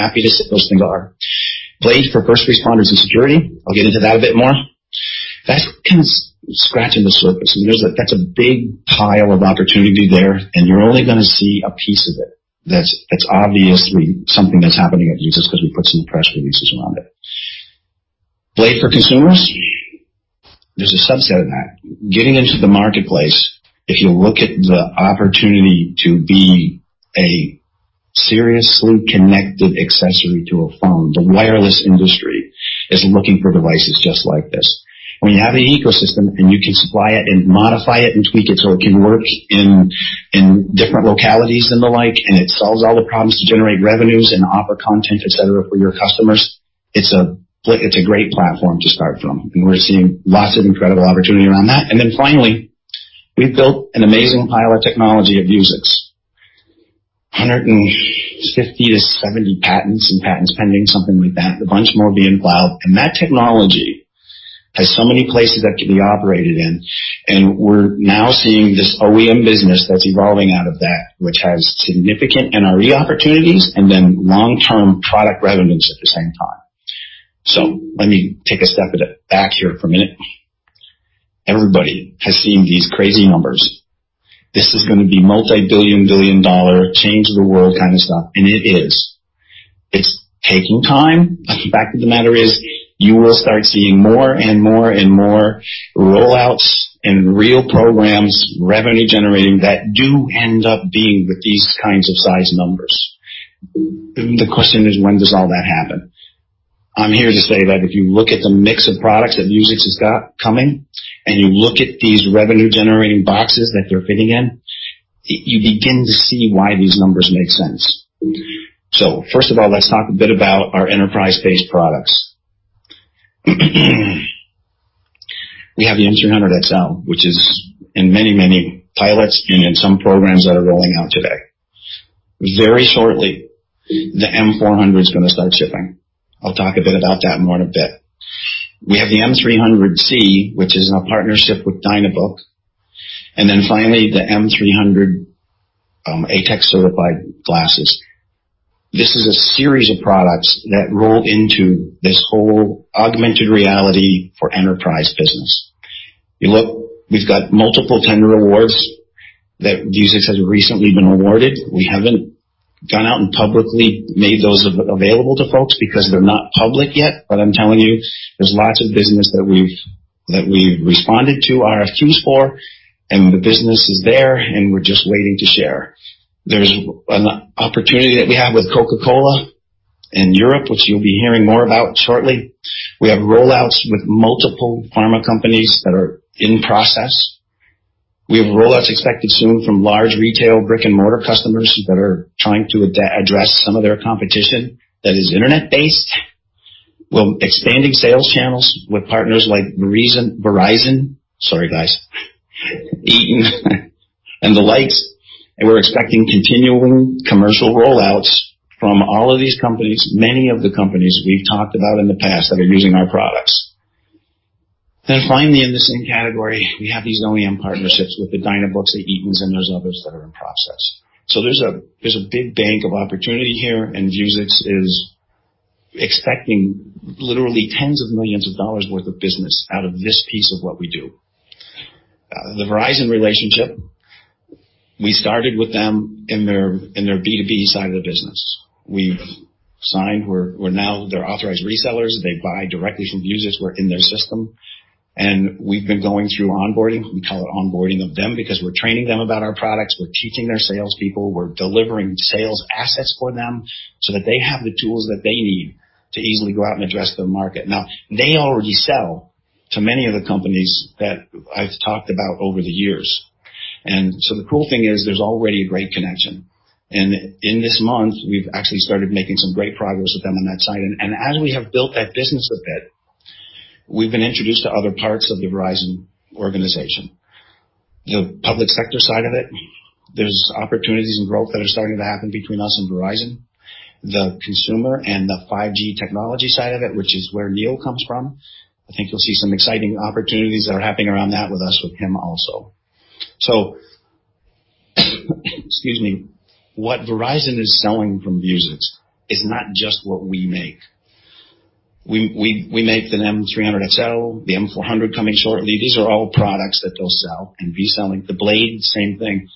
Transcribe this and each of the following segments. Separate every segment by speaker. Speaker 1: I'm happy to set those things up. Blade for first responders and security, I'll get into that a bit more. That's scratching the surface, and that's a big pile of opportunity there, and you're only going to see a piece of it that's obviously something that's happening at Vuzix because we put some press releases around it. Blade for consumers, there's a subset in that. Getting into the marketplace, if you look at the opportunity to be a seriously connected accessory to a phone, the wireless industry is looking for devices just like this. When you have an ecosystem and you can supply it and modify it and tweak it so it can work in different localities and the like, and it solves all the problems to generate revenues and offer content, et cetera, for your customers, it's a great platform to start from, and we're seeing lots of incredible opportunity around that. Finally, we've built an amazing pile of technology at Vuzix, 150 to 70 patents and patents pending, something like that. A bunch more being filed, and that technology has so many places that it can be operated in, and we're now seeing this OEM business that's evolving out of that, which has significant NRE opportunities and then long-term product revenues at the same time. Let me take a step back here for a minute. Everybody has seen these crazy numbers. This is going to be multi-billion dollar, change the world kind of stuff, and it is. It's taking time, but the fact of the matter is, you will start seeing more and more roll-outs and real programs, revenue-generating, that do end up being with these kinds of size numbers. The question is, when does all that happen? I'm here to say that if you look at the mix of products that Vuzix has got coming, and you look at these revenue-generating boxes that they're fitting in, you begin to see why these numbers make sense. First of all, let's talk a bit about our enterprise-based products. We have the M300XL, which is in many pilots and in some programs that are rolling out today. Very shortly, the M400 is going to start shipping. I'll talk a bit about that more in a bit. We have the M300C, which is in a partnership with Dynabook, and finally, the M300 ATEX-certified glasses. This is a series of products that roll into this whole Augmented Reality for enterprise business. We've got multiple tender awards that Vuzix has recently been awarded. We haven't gone out and publicly made those available to folks because they're not public yet, I'm telling you, there's lots of business that we've responded to RFQs for, the business is there, and we're just waiting to share. There's an opportunity that we have with Coca-Cola in Europe, which you'll be hearing more about shortly. We have roll-outs with multiple pharma companies that are in process. We have roll-outs expected soon from large retail brick-and-mortar customers that are trying to address some of their competition that is internet-based. We're expanding sales channels with partners like Verizon. Sorry, guys. Eaton and the likes. We're expecting continuing commercial roll-outs from all of these companies, many of the companies we've talked about in the past that are using our products. Finally, in the same category, we have these OEM partnerships with the Dynabooks, the Eatons, and there's others that are in process. There's a big bank of opportunity here, and Vuzix is expecting literally tens of millions of dollars worth of business out of this piece of what we do. The Verizon relationship, we started with them in their B2B side of the business. We've signed. We're now their authorized resellers. They buy directly from Vuzix. We're in their system, and we've been going through onboarding. We call it onboarding of them because we're training them about our products. We're teaching their salespeople. We're delivering sales assets for them so that they have the tools that they need to easily go out and address the market. They already sell to many of the companies that I've talked about over the years, and so the cool thing is there's already a great connection. In this month, we've actually started making some great progress with them on that side. As we have built that business with it, we've been introduced to other parts of the Verizon organization. The public sector side of it, there's opportunities and growth that are starting to happen between us and Verizon. The consumer and the 5G technology side of it, which is where Neil comes from, I think you'll see some exciting opportunities that are happening around that with us, with him also. Excuse me. What Verizon is selling from Vuzix is not just what we make. We make the M300XL, the M400 coming shortly. These are all products that they'll sell and be selling. The Blade, same thing,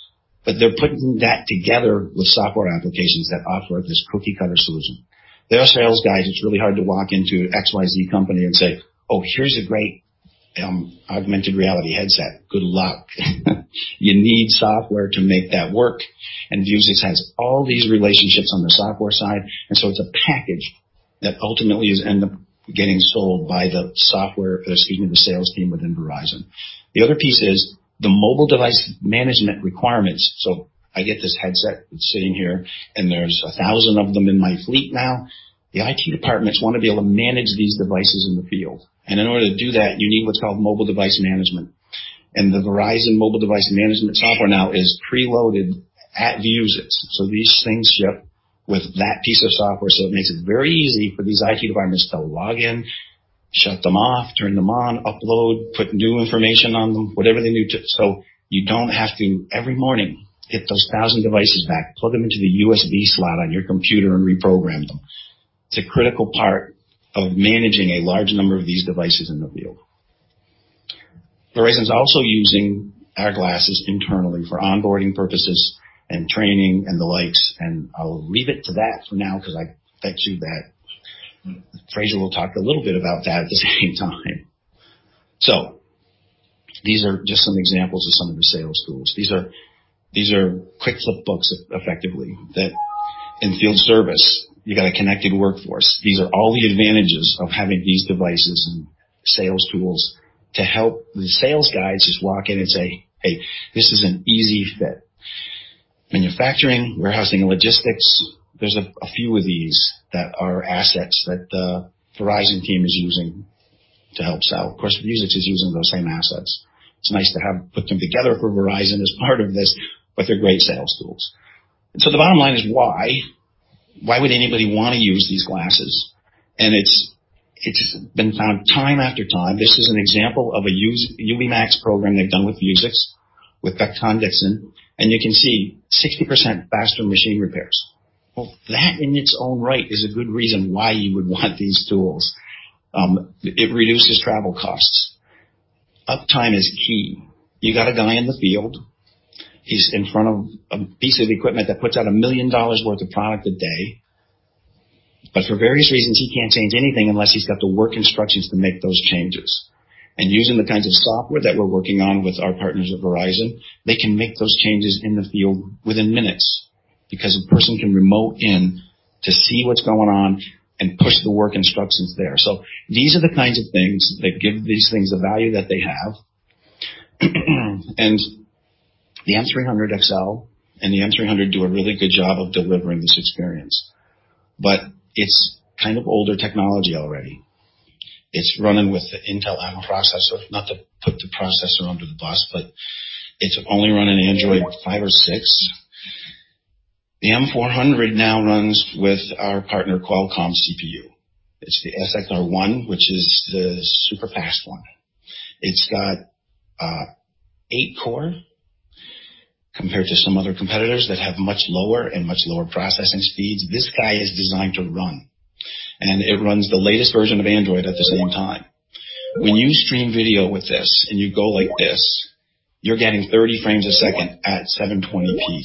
Speaker 1: but they're putting that together with software applications that offer this cookie-cutter solution. They're our sales guys. It's really hard to walk into XYZ company and say, "Oh, here's a great augmented reality headset." Good luck. You need software to make that work, and so Vuzix has all these relationships on the software side, and so it's a package that ultimately end up getting sold by the software, excuse me, the sales team within Verizon. The other piece is the mobile device management requirements. I get this headset, it's sitting here, and there's 1,000 of them in my fleet now. The IT departments want to be able to manage these devices in the field. In order to do that, you need what's called mobile device management. The Verizon Mobile Device Management software now is preloaded at Vuzix. These things ship with that piece of software, so it makes it very easy for these IT departments to log in, shut them off, turn them on, upload, put new information on them, whatever they need to. You don't have to, every morning, get those 1,000 devices back, plug them into the USB slot on your computer, and reprogram them. It's a critical part of managing a large number of these devices in the field. Verizon's also using our glasses internally for onboarding purposes and training and the like, and I'll leave it to that for now because I fed you that. Fraser will talk a little bit about that at the same time. These are just some examples of some of the sales tools. These are quick flip books effectively, that in field service, you got a connected workforce. These are all the advantages of having these devices and sales tools to help the sales guys just walk in and say, "Hey, this is an easy fit." Manufacturing, warehousing, and logistics. There's a few of these that are assets that the Verizon team is using to help sell. Of course, Vuzix is using those same assets. It's nice to put them together for Verizon as part of this, but they're great sales tools. The bottom line is why. Why would anybody want to use these glasses? It's been found time after time, this is an example of a Ubimax program they've done with Vuzix, with Becton Dickinson, and you can see 60% faster machine repairs. Well, that in its own right is a good reason why you would want these tools. It reduces travel costs. Uptime is key. You got a guy in the field, he's in front of a piece of equipment that puts out $1 million worth of product a day. For various reasons, he can't change anything unless he's got the work instructions to make those changes. Using the kinds of software that we're working on with our partners at Verizon, they can make those changes in the field within minutes because a person can remote in to see what's going on and push the work instructions there. These are the kinds of things that give these things the value that they have. The M300XL and the M300 do a really good job of delivering this experience. It's kind of older technology already. It's running with the Intel Atom processor. Not to put the processor under the bus, it's only running Android 5 or 6. The M400 now runs with our partner Qualcomm CPU. It's the XR1, which is the super-fast one. It's got 8 core compared to some other competitors that have much lower and much lower processing speeds. This guy is designed to run, and it runs the latest version of Android at the same time. When you stream video with this and you go like this, you're getting 30 frames a second at 720p.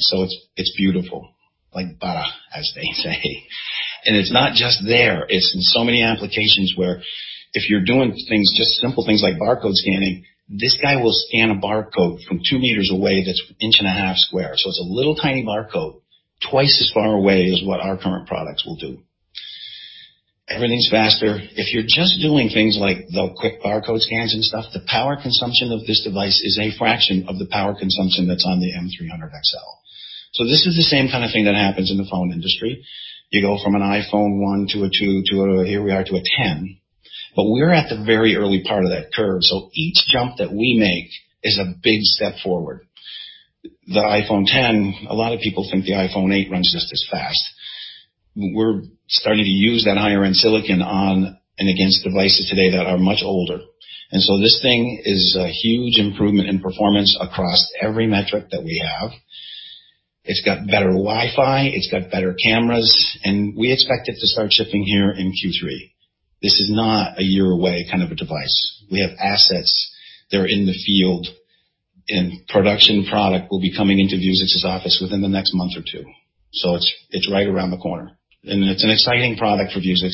Speaker 1: It's beautiful. Like bah, as they say. It's not just there. It's in so many applications where if you're doing things, just simple things like barcode scanning, this guy will scan a barcode from 2 meters away that's an inch and a half square. It's a little tiny barcode twice as far away as what our current products will do. Everything's faster. If you're just doing things like the quick barcode scans and stuff, the power consumption of this device is a fraction of the power consumption that's on the M300XL. This is the same kind of thing that happens in the phone industry. You go from an iPhone 1 to a 2 to here we are to a 10, we're at the very early part of that curve. Each jump that we make is a big step forward. The iPhone 10, a lot of people think the iPhone 8 runs just as fast. We're starting to use that higher-end silicon on and against devices today that are much older. This thing is a huge improvement in performance across every metric that we have. It's got better Wi-Fi, it's got better cameras. We expect it to start shipping here in Q3. This is not a year away kind of a device. We have assets that are in the field, and production product will be coming into Vuzix's office within the next month or two. It's right around the corner, and it's an exciting product for Vuzix.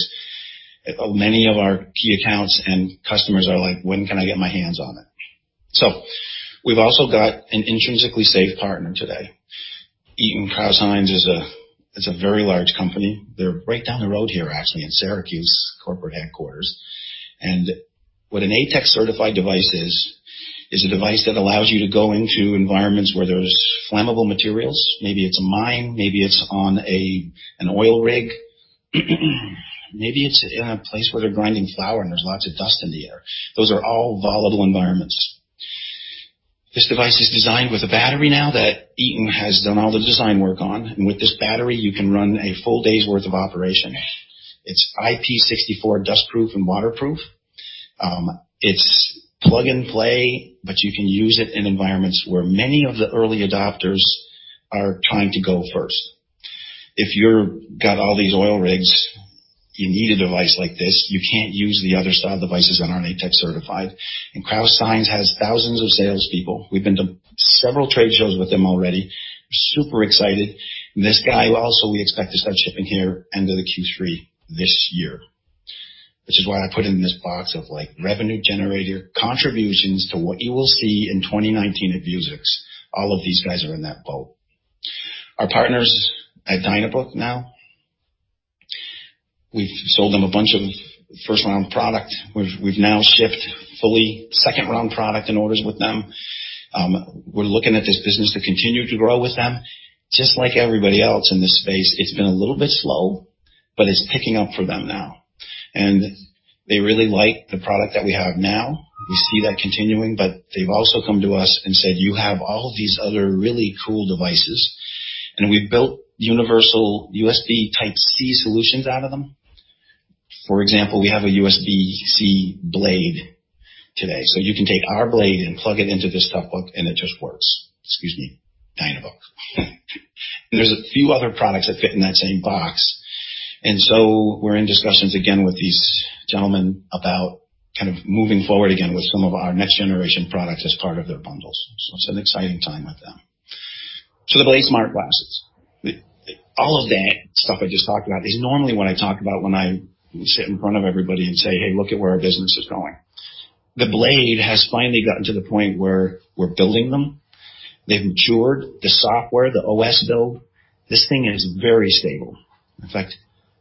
Speaker 1: Many of our key accounts and customers are like, "When can I get my hands on it?" We've also got an intrinsically safe partner today. Eaton Crouse-Hinds is a very large company. They're right down the road here, actually, in Syracuse corporate headquarters. What an ATEX-certified device is a device that allows you to go into environments where there's flammable materials. Maybe it's a mine, maybe it's on an oil rig, maybe it's in a place where they're grinding flour and there's lots of dust in the air. Those are all volatile environments. This device is designed with a battery now that Eaton has done all the design work on, and with this battery, you can run a full day's worth of operation. It's IP64 dustproof and waterproof. It's plug and play. You can use it in environments where many of the early adopters are trying to go first. If you've got all these oil rigs, you need a device like this. You can't use the other style devices that aren't ATEX-certified. Crouse-Hinds has thousands of salespeople. We've been to several trade shows with them already. Super excited. This guy also we expect to start shipping here end of the Q3 this year, which is why I put it in this box of revenue generator contributions to what you will see in 2019 at Vuzix. All of these guys are in that boat. Our partners at Dynabook now, we've sold them a bunch of first-round product. We've now shipped fully second-round product and orders with them. We're looking at this business to continue to grow with them. Just like everybody else in this space, it's been a little bit slow. It's picking up for them now, and they really like the product that we have now. We see that continuing. They've also come to us and said, "You have all these other really cool devices." We've built universal USB Type-C solutions out of them. For example, we have a USB-C Blade today. You can take our Blade and plug it into this notebook, and it just works. Excuse me. Dynabook. There's a few other products that fit in that same box. We're in discussions again with these gentlemen about moving forward again with some of our next-generation products as part of their bundles. It's an exciting time with them. The Blade Smart Glasses. All of that stuff I just talked about is normally what I talk about when I sit in front of everybody and say, "Hey, look at where our business is going." The Blade has finally gotten to the point where we're building them. They've matured. The software, the OS build, this thing is very stable. In fact,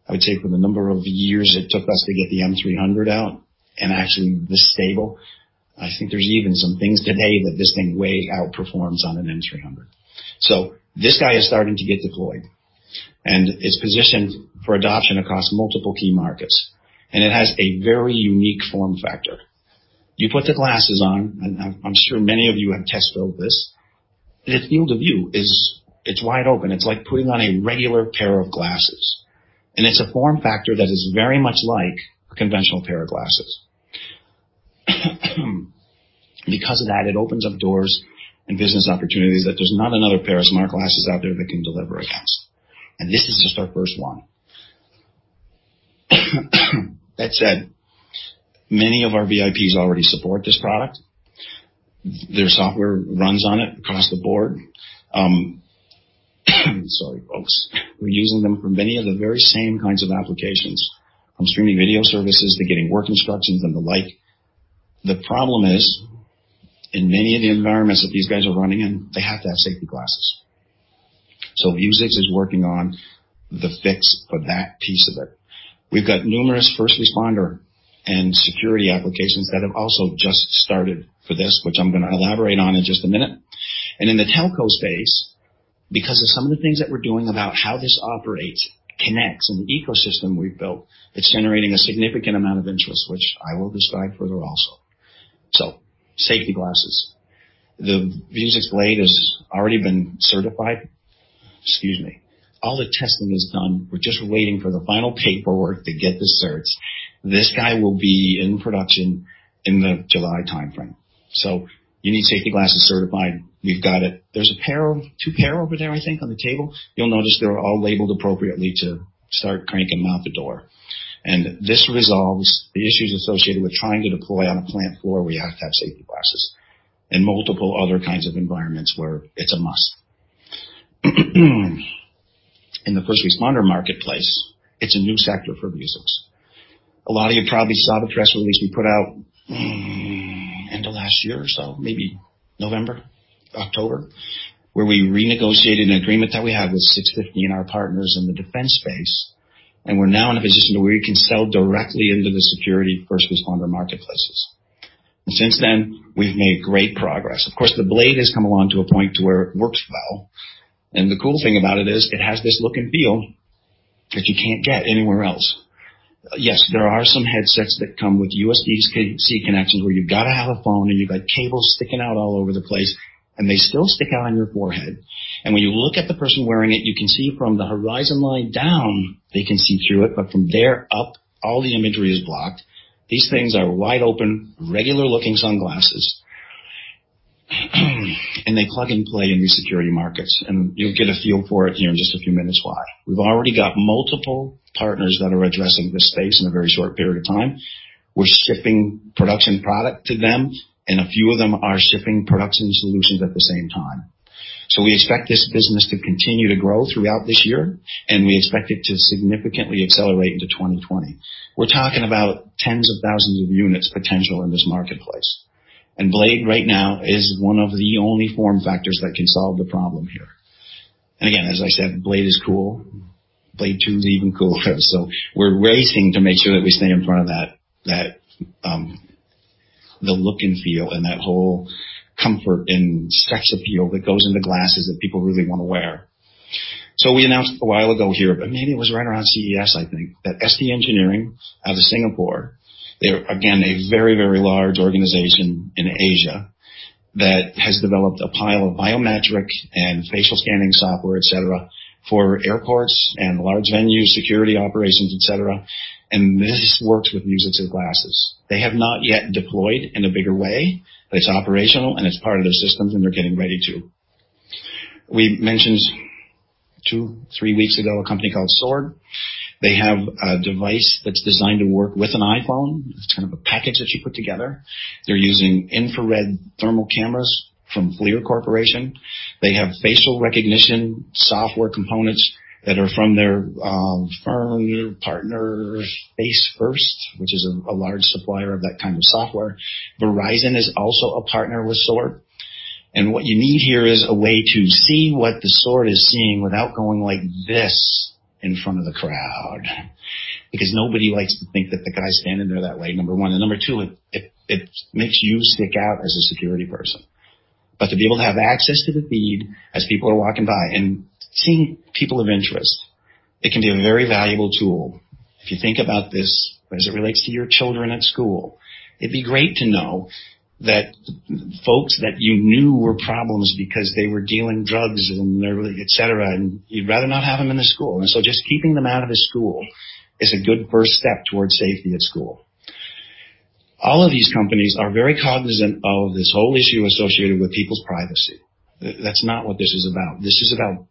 Speaker 1: I would say from the number of years it took us to get the M300 out and actually this stable, I think there's even some things today that this thing way outperforms on an M300. This guy is starting to get deployed and is positioned for adoption across multiple key markets, and it has a very unique form factor. You put the glasses on, and I'm sure many of you have test-built this. The field of view is wide open. It's like putting on a regular pair of glasses, and it's a form factor that is very much like a conventional pair of glasses. Because of that, it opens up doors and business opportunities that there's not another pair of smart glasses out there that can deliver against, and this is just our first one. That said, many of our VIPs already support this product. Their software runs on it across the board. Sorry, folks. We're using them for many of the very same kinds of applications, from streaming video services to getting work instructions and the like. The problem is, in many of the environments that these guys are running in, they have to have safety glasses. Vuzix is working on the fix for that piece of it. We've got numerous first responder and security applications that have also just started for this, which I'm going to elaborate on in just a minute. In the telco space, because of some of the things that we're doing about how this operates, connects, and the ecosystem we've built, it's generating a significant amount of interest, which I will describe further also. Safety glasses. The Vuzix Blade has already been certified. Excuse me. All the testing is done. We're just waiting for the final paperwork to get the certs. This guy will be in production in the July timeframe. You need safety glasses certified, we've got it. There's two pair over there, I think, on the table. You'll notice they're all labeled appropriately to start cranking them out the door. This resolves the issues associated with trying to deploy on a plant floor where you have to have safety glasses and multiple other kinds of environments where it's a must. In the first responder marketplace, it's a new sector for Vuzix. A lot of you probably saw the press release we put out end of last year or so, maybe November, October, where we renegotiated an agreement that we had with Six15 and our partners in the defense space, and we're now in a position to where we can sell directly into the security first responder marketplaces. Since then, we've made great progress. Of course, the Blade has come along to a point to where it works well, and the cool thing about it is it has this look and feel that you can't get anywhere else. There are some headsets that come with USB-C connections where you've got to have a phone, and you've got cables sticking out all over the place, and they still stick out on your forehead. When you look at the person wearing it, you can see from the horizon line down, they can see through it. From there up, all the imagery is blocked. These things are wide open, regular-looking sunglasses. They plug and play in these security markets, and you'll get a feel for it here in just a few minutes why. We've already got multiple partners that are addressing this space in a very short period of time. We're shipping production product to them, and a few of them are shipping production solutions at the same time. We expect this business to continue to grow throughout this year, and we expect it to significantly accelerate into 2020. We're talking about tens of thousands of units potential in this marketplace. Blade right now is one of the only form factors that can solve the problem here. Again, as I said, Blade is cool. Blade 2 is even cooler. We're racing to make sure that we stay in front of the look and feel and that whole comfort and sex appeal that goes into glasses that people really want to wear. We announced a while ago here, but maybe it was right around CES, I think, that ST Engineering out of Singapore, they're again, a very, very large organization in Asia that has developed a pile of biometric and facial scanning software, et cetera, for airports and large venue security operations, et cetera. This works with Vuzix's glasses. They have not yet deployed in a bigger way, but it's operational, and it's part of their systems, and they're getting ready to. We mentioned two, three weeks ago, a company called SWORD. They have a device that's designed to work with an iPhone. It's kind of a package that you put together. They're using infrared thermal cameras from FLIR Corporation. They have facial recognition software components that are from their firm partner, FaceFirst, which is a large supplier of that kind of software. Verizon is also a partner with SWORD, and what you need here is a way to see what the SWORD is seeing without going like this in front of the crowd. Because nobody likes to think that the guy's standing there that way, number 1, and number 2, it makes you stick out as a security person. To be able to have access to the feed as people are walking by and seeing people of interest. It can be a very valuable tool. If you think about this as it relates to your children at school, it'd be great to know that folks that you knew were problems because they were dealing drugs, and et cetera, and you'd rather not have them in the school. Just keeping them out of the school is a good first step towards safety at school. All of these companies are very cognizant of this whole issue associated with people's privacy. That's not what this is about. This is about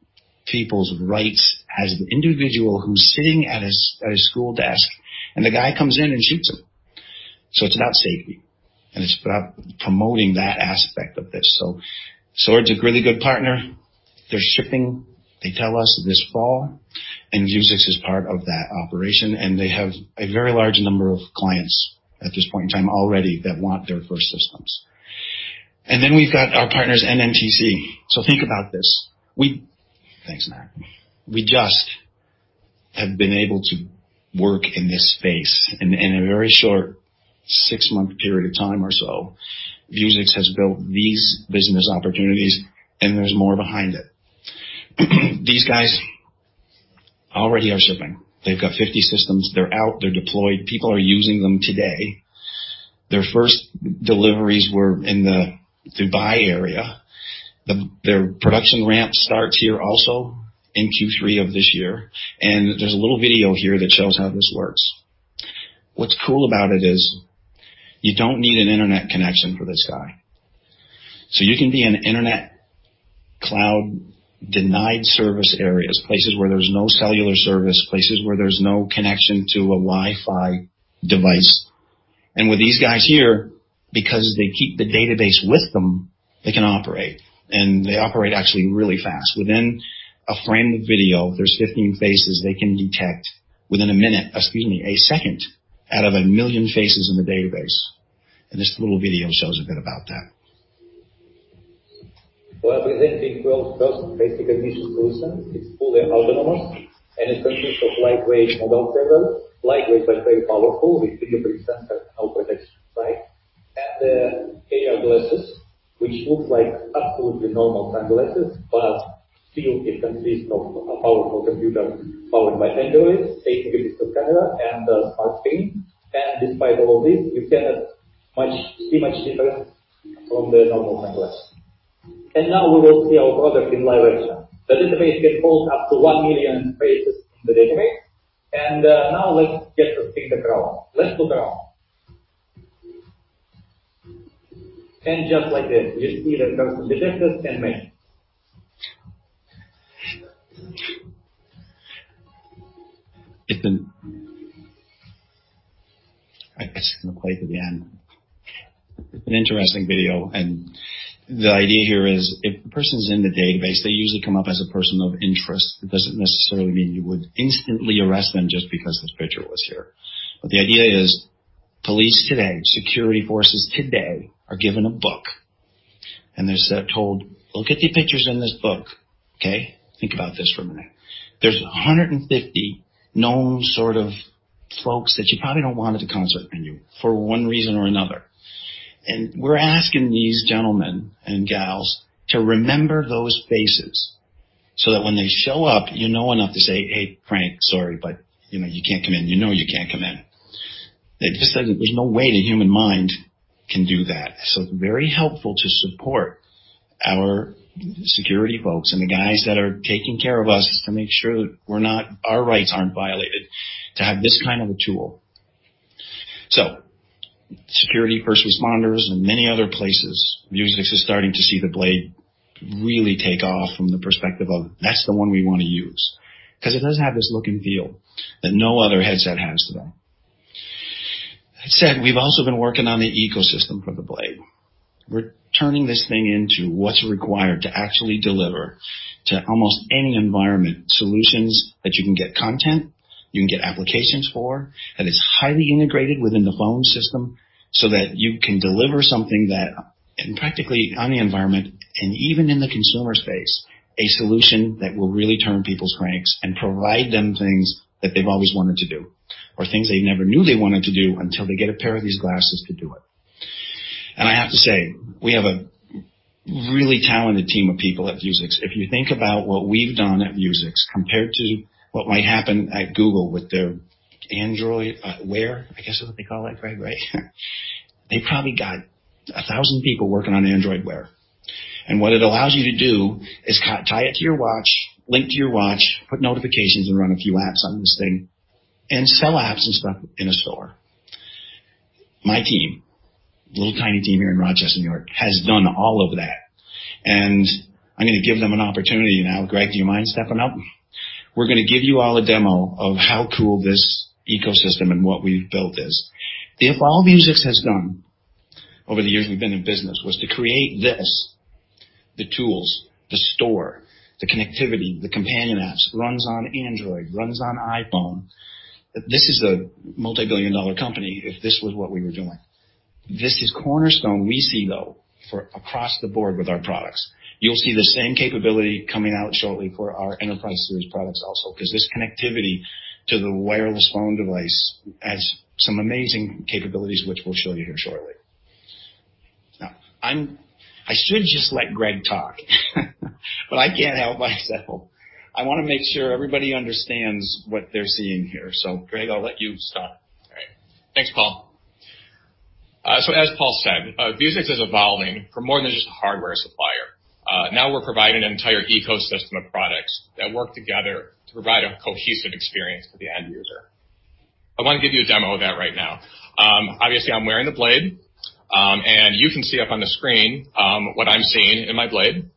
Speaker 1: people's rights as the individual who's sitting at his school desk, and the guy comes in and shoots him. It's about safety, and it's about promoting that aspect of this. SWORD's a really good partner. They're shipping, they tell us, this fall. Vuzix is part of that operation, and they have a very large number of clients at this point in time already that want their first systems. We've got our partners, NNTC. Think about this. Thanks, Mac. We just have been able to work in this space in a very short six-month period of time or so. Vuzix has built these business opportunities. There's more behind it. These guys already are shipping. They've got 50 systems. They're out. They're deployed. People are using them today. Their first deliveries were in the Dubai area. Their production ramp starts here also in Q3 of this year. There's a little video here that shows how this works. What's cool about it is you don't need an internet connection for this guy. You can be in internet cloud-denied service areas, places where there's no cellular service, places where there's no connection to a Wi-Fi device. With these guys here, because they keep the database with them, they can operate, and they operate actually really fast. Within a frame of video, there's 15 faces they can detect within a minute, excuse me, a second, out of 1 million faces in the database. This little video shows a bit about that.
Speaker 2: We are presenting world's first face detection solution. It's fully autonomous, and it consists of lightweight mobile server, lightweight but very powerful with fingerprint sensor and protection site. The AR glasses, which looks like absolutely normal sunglasses, but still it consists of a powerful computer powered by Android, 8 megapixels camera, and a smart screen. Despite all of this, you cannot see much difference from the normal sunglasses. Now we will see our product in live action. The database can hold up to 1 million faces in the database. Now let's get the thing that out. Let's look around. Just like this, you see that person detected and measured.
Speaker 1: It's an I guess I'm going to play it to the end. It's an interesting video, and the idea here is if the person's in the database, they usually come up as a person of interest. It doesn't necessarily mean you would instantly arrest them just because this picture was here. The idea is, police today, security forces today, are given a book, and they're told, "Look at the pictures in this book, okay?" Think about this for a minute. There's 150 known sort of folks that you probably don't want at a concert venue for one reason or another. We're asking these gentlemen and gals to remember those faces, so that when they show up, you know enough to say, "Hey, Frank, sorry, but you can't come in." You know you can't come in. There's no way the human mind can do that. It's very helpful to support our security folks and the guys that are taking care of us to make sure that our rights aren't violated to have this kind of a tool. Security, first responders, and many other places, Vuzix is starting to see the Blade really take off from the perspective of that's the one we want to use because it does have this look and feel that no other headset has today. That said, we've also been working on the ecosystem for the Blade. We're turning this thing into what's required to actually deliver to almost any environment, solutions that you can get content, you can get applications for, that is highly integrated within the phone system so that you can deliver something that in practically any environment, and even in the consumer space, a solution that will really turn people's cranks and provide them things that they've always wanted to do or things they never knew they wanted to do until they get a pair of these glasses to do it. I have to say, we have a really talented team of people at Vuzix. If you think about what we've done at Vuzix compared to what might happen at Google with their Android Wear, I guess is what they call it, Greg, right? They probably got 1,000 people working on Android Wear. What it allows you to do is tie it to your watch, link to your watch, put notifications, and run a few apps on this thing and sell apps and stuff in a store. My team, little tiny team here in Rochester, N.Y., has done all of that. I'm going to give them an opportunity now. Greg, do you mind stepping up? We're going to give you all a demo of how cool this ecosystem and what we've built is. If all Vuzix has done over the years we've been in business was to create this, the tools, the store, the connectivity, the companion apps, runs on Android, runs on iPhone. This is a multi-billion dollar company if this was what we were doing. This is cornerstone we see, though, for across the board with our products. You'll see the same capability coming out shortly for our Enterprise Series products also, because this connectivity to the wireless phone device adds some amazing capabilities, which we'll show you here shortly. I should just let Greg talk, but I can't help myself. I want to make sure everybody understands what they're seeing here. Greg, I'll let you start.
Speaker 3: All right. Thanks, Paul. As Paul said, Vuzix is evolving from more than just a hardware supplier. Now we're providing an entire ecosystem of products that work together to provide a cohesive experience for the end user. I want to give you a demo of that right now. Obviously, I'm wearing the Blade. You can see up on the screen, what I'm seeing in my Blade.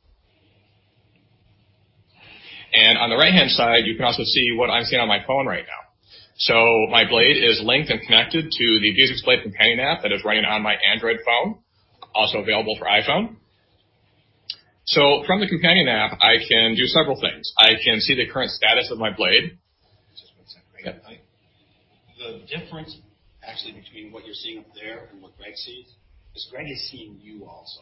Speaker 3: On the right-hand side, you can also see what I'm seeing on my phone right now. My Blade is linked and connected to the Vuzix Blade Companion App that is running on my Android phone, also available for iPhone. From the Companion App, I can do several things. I can see the current status of my Blade.
Speaker 1: Just one second, Greg.
Speaker 3: Yeah.
Speaker 1: The difference actually between what you're seeing up there and what Greg sees, is Greg is seeing you also.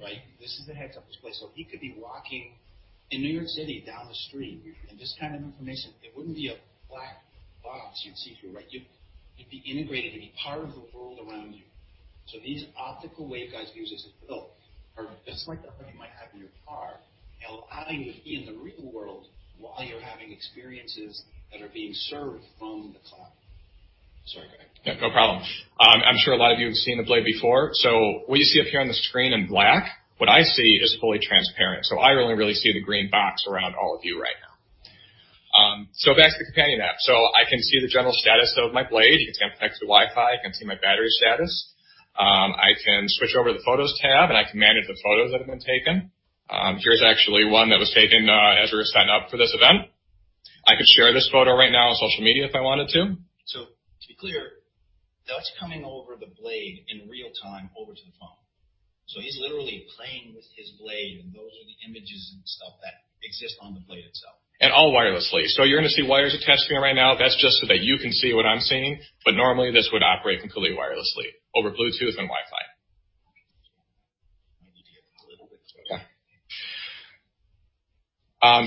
Speaker 1: Right? This is a heads up display. He could be walking in New York City down the street, this kind of information, it wouldn't be a black box you'd see through, right? You'd be integrated and be part of the world around you. These optical wave guides Vuzix has built are just like the one you might have in your car, allowing you to be in the real world while you're having experiences that are being served from the cloud. Sorry, Greg.
Speaker 3: Yeah, no problem. I'm sure a lot of you have seen the Blade before. What you see up here on the screen in black, what I see is fully transparent. I only really see the green box around all of you right now. Back to the companion app. I can see the general status of my Blade. It's connected to Wi-Fi. I can see my battery status. I can switch over to the photos tab, and I can manage the photos that have been taken. Here's actually one that was taken as we were setting up for this event. I could share this photo right now on social media if I wanted to.
Speaker 1: To be clear, that's coming over the Blade in real time over to the phone. He's literally playing with his Blade, and those are the images and stuff that exist on the Blade itself.
Speaker 3: All wirelessly. You're going to see wires attached to me right now. That's just so that you can see what I'm seeing, but normally this would operate completely wirelessly over Bluetooth and Wi-Fi.
Speaker 1: We need to get a little bit closer.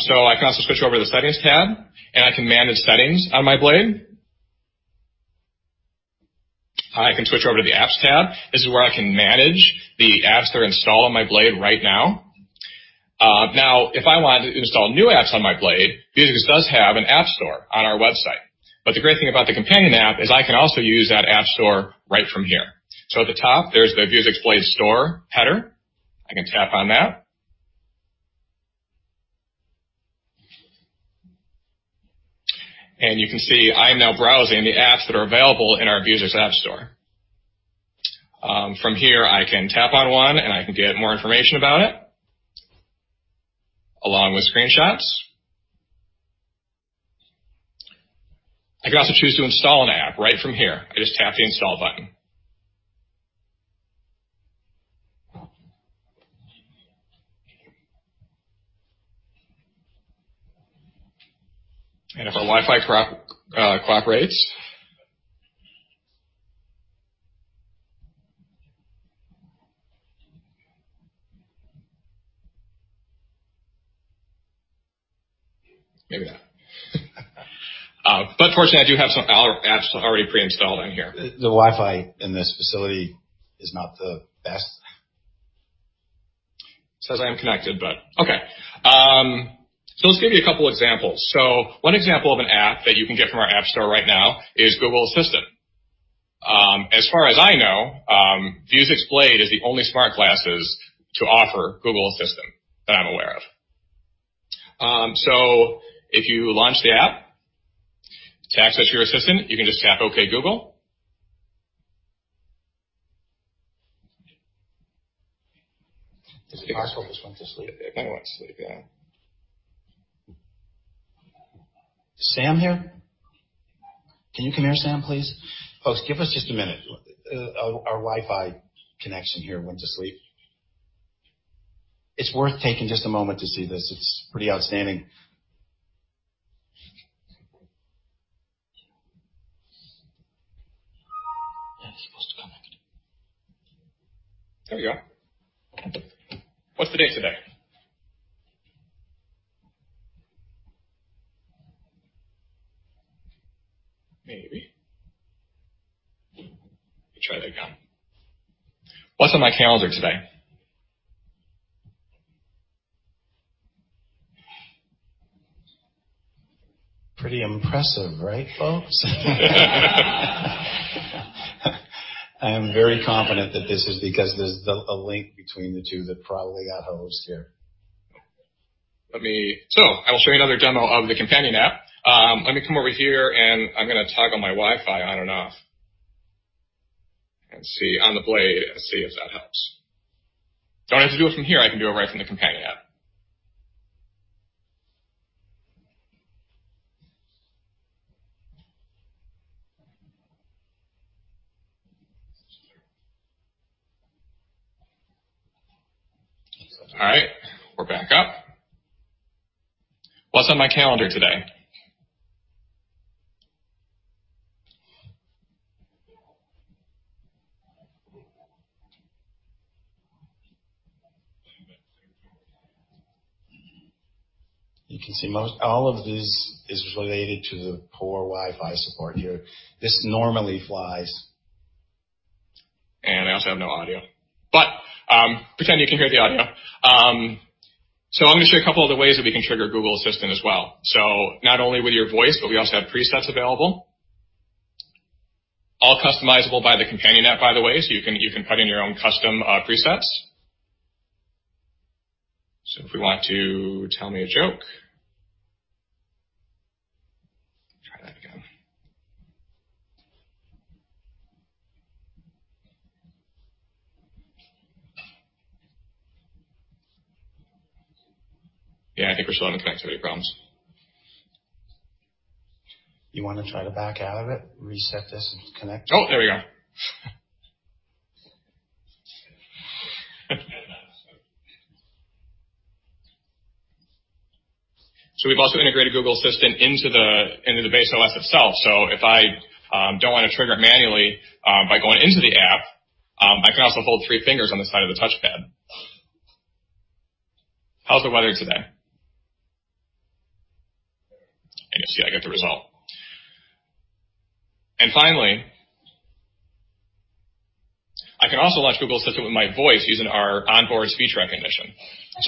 Speaker 3: Yeah. I can also switch over to the settings tab, and I can manage settings on my Blade. I can switch over to the apps tab. This is where I can manage the apps that are installed on my Blade right now. Now, if I want to install new apps on my Blade, Vuzix does have an App Store on our website. The great thing about the Companion App is I can also use that App Store right from here. At the top, there's the Vuzix Blade Store header. I can tap on that. You can see I am now browsing the apps that are available in our Vuzix App Store. From here, I can tap on one, and I can get more information about it, along with screenshots. I could also choose to install an app right from here. I just tap the install button. If our Wi-Fi cooperates. Maybe not. Fortunately, I do have some apps already pre-installed on here.
Speaker 1: The Wi-Fi in this facility is not the best.
Speaker 3: It says I am connected, but okay. Let's give you a couple examples. One example of an app that you can get from our App Store right now is Google Assistant. As far as I know, Vuzix Blade is the only smart glasses to offer Google Assistant, that I'm aware of. If you launch the app, to access your assistant, you can just tap OK Google.
Speaker 1: This asshole just went to sleep.
Speaker 3: It kind of went to sleep, yeah.
Speaker 1: Is Sam here? Can you come here, Sam, please? Folks, give us just a minute. Our Wi-Fi connection here went to sleep. It's worth taking just a moment to see this. It's pretty outstanding. Yeah, it's supposed to connect.
Speaker 3: There we are. What's the date today? Maybe. Let me try that again. What's on my calendar today?
Speaker 1: Pretty impressive, right, folks? I am very confident that this is because there's a link between the two that probably got hosed here.
Speaker 3: I will show you another demo of the companion app. Let me come over here, I'm going to toggle my Wi-Fi on and off, and see on the Blade, see if that helps. Don't have to do it from here. I can do it right from the companion app. All right. We're back up. What's on my calendar today?
Speaker 1: You can see all of this is related to the poor Wi-Fi support here. This normally flies.
Speaker 3: I also have no audio. Pretend you can hear the audio. I'm going to show you a couple other ways that we can trigger Google Assistant as well. Not only with your voice, but we also have presets available, all customizable by the companion app, by the way, so you can put in your own custom presets. If we want to tell me a joke. Try that again. Yeah, I think we're still having connectivity problems.
Speaker 1: You want to try to back out of it, reset this, and connect?
Speaker 3: Oh, there we are. We've also integrated Google Assistant into the base OS itself. If I don't want to trigger it manually by going into the app, I can also hold three fingers on the side of the touchpad. How's the weather today? You'll see I get the result. Finally, I can also launch Google Assistant with my voice using our onboard speech recognition.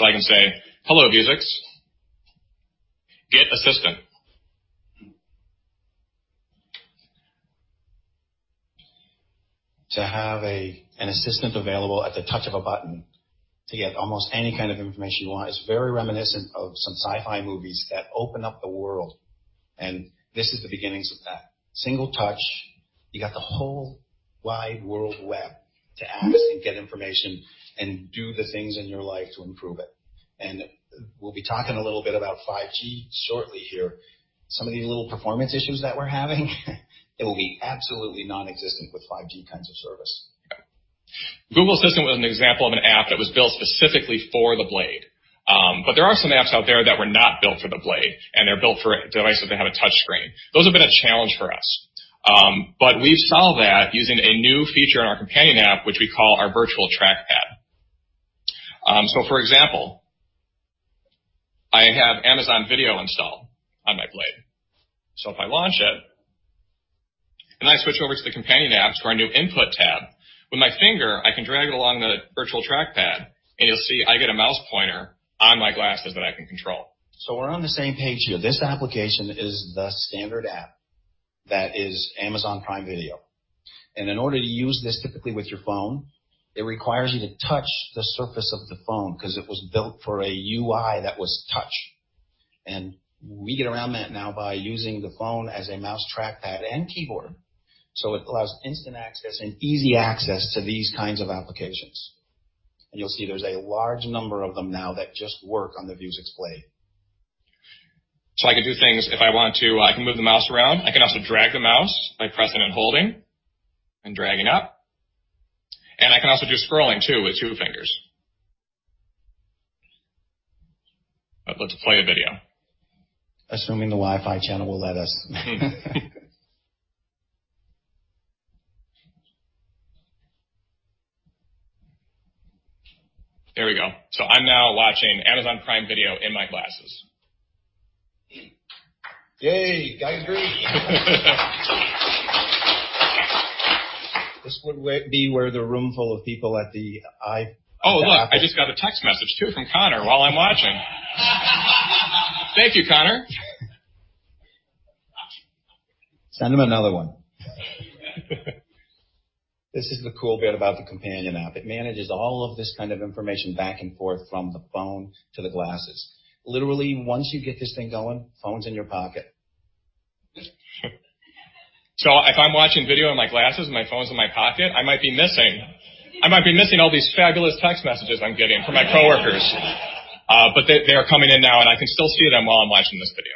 Speaker 3: I can say, "Hello, Vuzix, get assistant.
Speaker 1: To have an assistant available at the touch of a button to get almost any kind of information you want is very reminiscent of some sci-fi movies that open up the world, and this is the beginnings of that. Single touch, you got the whole wide world web to access and get information and do the things in your life to improve it. We'll be talking a little bit about 5G shortly here. Some of these little performance issues that we're having, they will be absolutely nonexistent with 5G kinds of service.
Speaker 3: Yeah. Google Assistant was an example of an app that was built specifically for the Blade. There are some apps out there that were not built for the Blade, and they're built for devices that have a touch screen. Those have been a challenge for us. We've solved that using a new feature on our companion app, which we call our virtual trackpad. For example, I have Amazon Video installed on my Blade. If I launch it and I switch over to the companion app to our new input tab, with my finger, I can drag it along the virtual trackpad, and you'll see I get a mouse pointer on my glasses that I can control.
Speaker 1: We're on the same page here. This application is the standard app that is Amazon Prime Video. In order to use this typically with your phone, it requires you to touch the surface of the phone because it was built for a UI that was touch. We get around that now by using the phone as a mouse trackpad and keyboard. It allows instant access and easy access to these kinds of applications. You'll see there's a large number of them now that just work on the Vuzix Blade.
Speaker 3: I can do things if I want to. I can move the mouse around. I can also drag the mouse by pressing and holding and dragging up. I can also do scrolling too with two fingers. Let's play the video.
Speaker 1: Assuming the Wi-Fi channel will let us.
Speaker 3: There we go. I'm now watching Amazon Prime Video in my glasses.
Speaker 1: Yay. Guys, great. This would be where the room full of people at the I.
Speaker 3: Look, I just got a text message too from Connor while I'm watching. Thank you, Connor.
Speaker 1: Send him another one. This is the cool bit about the Companion App. It manages all of this kind of information back and forth from the phone to the glasses. Literally, once you get this thing going, phone's in your pocket.
Speaker 3: If I'm watching video on my glasses and my phone's in my pocket, I might be missing all these fabulous text messages I'm getting from my coworkers. They are coming in now, and I can still see them while I'm watching this video.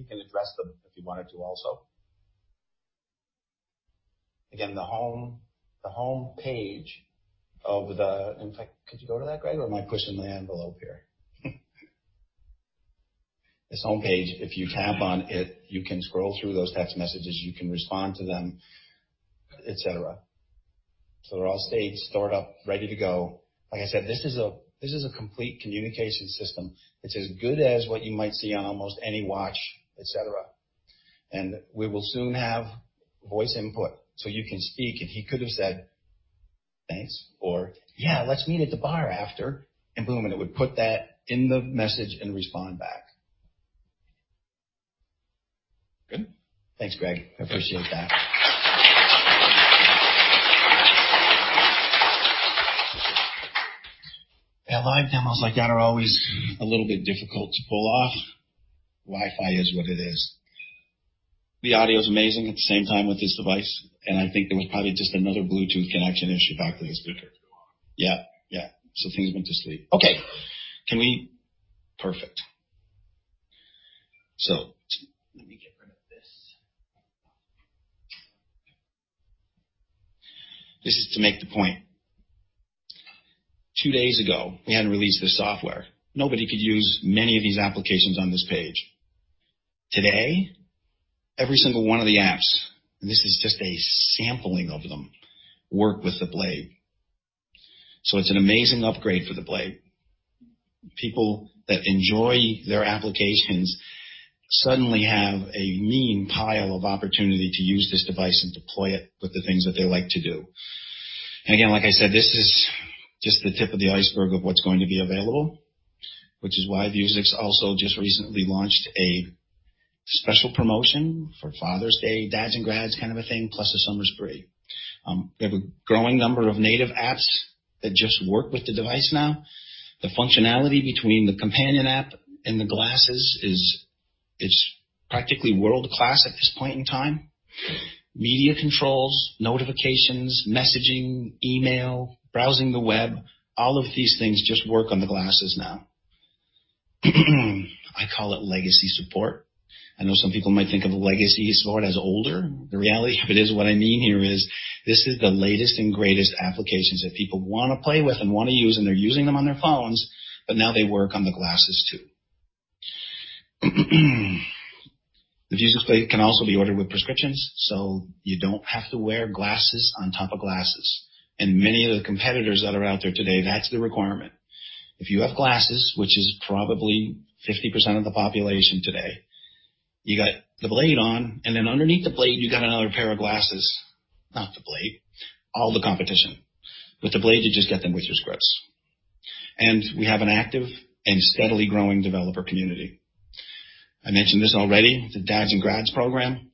Speaker 1: You can address them if you wanted to also. Again, the home page of the, in fact, could you go to that, Greg, or am I pushing the envelope here? This home page, if you tap on it, you can scroll through those text messages. You can respond to them, et cetera. They're all stayed, stored up, ready to go. Like I said, this is a complete communication system. It's as good as what you might see on almost any watch, et cetera. We will soon have voice input, so you can speak. He could have said, "Thanks," or, "Yeah, let's meet at the bar after." It would put that in the message and respond back.
Speaker 3: Good.
Speaker 1: Thanks, Greg. I appreciate that. Live demos like that are always a little bit difficult to pull off. Wi-Fi is what it is. The audio's amazing at the same time with this device, and I think there was probably just another Bluetooth connection issue back to the speaker. Things went to sleep. Okay. Perfect. Let me get rid of this. This is to make the point. Two days ago, we hadn't released this software. Nobody could use many of these applications on this page. Today, every single one of the apps, and this is just a sampling of them, work with the Blade. It's an amazing upgrade for the Blade. People that enjoy their applications suddenly have a mean pile of opportunity to use this device and deploy it with the things that they like to do. Again, like I said, this is just the tip of the iceberg of what's going to be available, which is why Vuzix also just recently launched a special promotion for Father's Day, Dads and Grads kind of a thing, plus a summer spree. We have a growing number of native apps that just work with the device now. The functionality between the companion app and the glasses is practically world-class at this point in time. Media controls, notifications, messaging, email, browsing the web, all of these things just work on the glasses now. I call it legacy support. I know some people might think of legacy support as older. The reality of it is, what I mean here is this is the latest and greatest applications that people want to play with and want to use, and they're using them on their phones, but now they work on the glasses too. The Vuzix Blade can also be ordered with prescriptions, so you don't have to wear glasses on top of glasses. Many of the competitors that are out there today, that's the requirement. If you have glasses, which is probably 50% of the population today, you got the Blade on, and then underneath the Blade, you got another pair of glasses. Not the Blade, all the competition. With the Blade, you just get them with your scripts. We have an active and steadily growing developer community. I mentioned this already, the Dads and Grads program.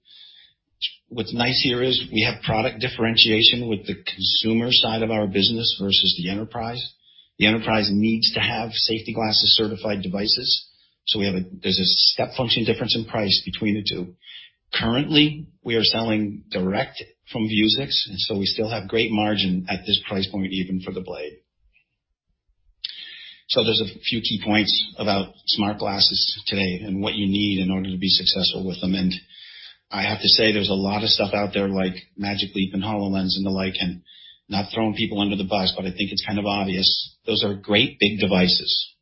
Speaker 1: What's nice here is we have product differentiation with the consumer side of our business versus the enterprise. The enterprise needs to have safety glasses-certified devices. There's a step function difference in price between the two. Currently, we are selling direct from Vuzix, we still have great margin at this price point, even for the Blade. There's a few key points about smart glasses today and what you need in order to be successful with them. I have to say, there's a lot of stuff out there like Magic Leap and HoloLens and the like, not throwing people under the bus, but I think it's kind of obvious those are great big devices.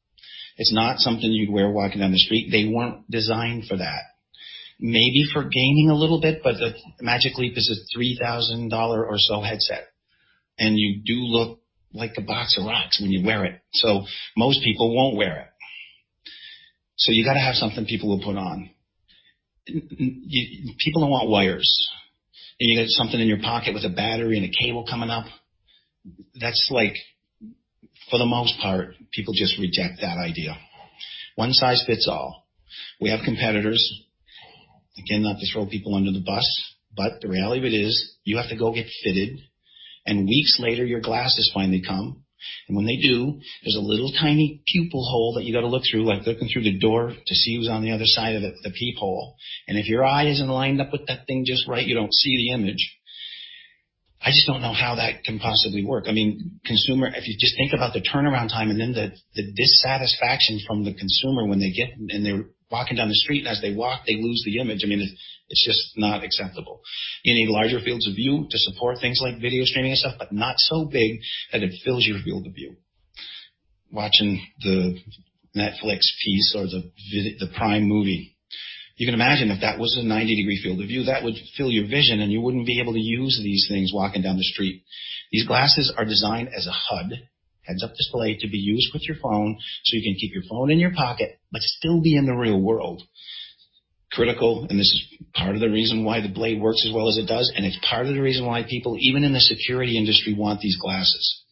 Speaker 1: It's not something you'd wear walking down the street. They weren't designed for that. Maybe for gaming a little bit, the Magic Leap is a $3,000 or so headset, and you do look like a box of rocks when you wear it, most people won't wear it. You got to have something people will put on. People don't want wires. You got something in your pocket with a battery and a cable coming up. That's like, for the most part, people just reject that idea. One size fits all. We have competitors. Again, not to throw people under the bus, but the reality of it is you have to go get fitted, and weeks later, your glasses finally come. When they do, there's a little tiny pupil hole that you got to look through, like looking through the door to see who's on the other side of the peephole. If your eye isn't lined up with that thing just right, you don't see the image. I just don't know how that can possibly work. If you just think about the turnaround time and then the dissatisfaction from the consumer. They're walking down the street, and as they walk, they lose the image. It's just not acceptable. You need larger fields of view to support things like video streaming and stuff, but not so big that it fills your field of view. Watching the Netflix piece or the Prime movie, you can imagine if that was a 90-degree field of view, that would fill your vision, and you wouldn't be able to use these things walking down the street. These glasses are designed as a HUD, heads-up display, to be used with your phone so you can keep your phone in your pocket but still be in the real world. Critical, this is part of the reason why the Blade works as well as it does, and it's part of the reason why people, even in the security industry, want these glasses.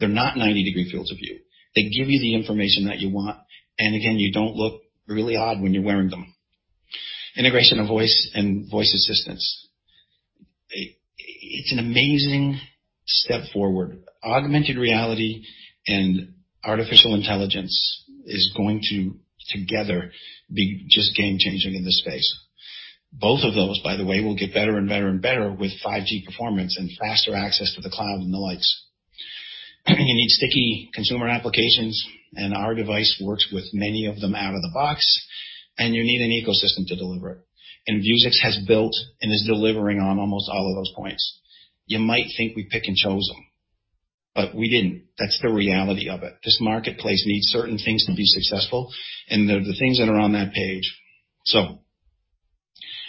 Speaker 1: They're not 90-degree fields of view. They give you the information that you want, and again, you don't look really odd when you're wearing them. Integration of voice and voice assistants. It's an amazing step forward. Augmented reality and artificial intelligence is going to, together, be just game-changing in this space. Both of those, by the way, will get better and better and better with 5G performance and faster access to the cloud and the likes. You need sticky consumer applications, our device works with many of them out of the box, you need an ecosystem to deliver it. Vuzix has built and is delivering on almost all of those points. You might think we pick and chose them, we didn't. That's the reality of it. This marketplace needs certain things to be successful, and they're the things that are on that page.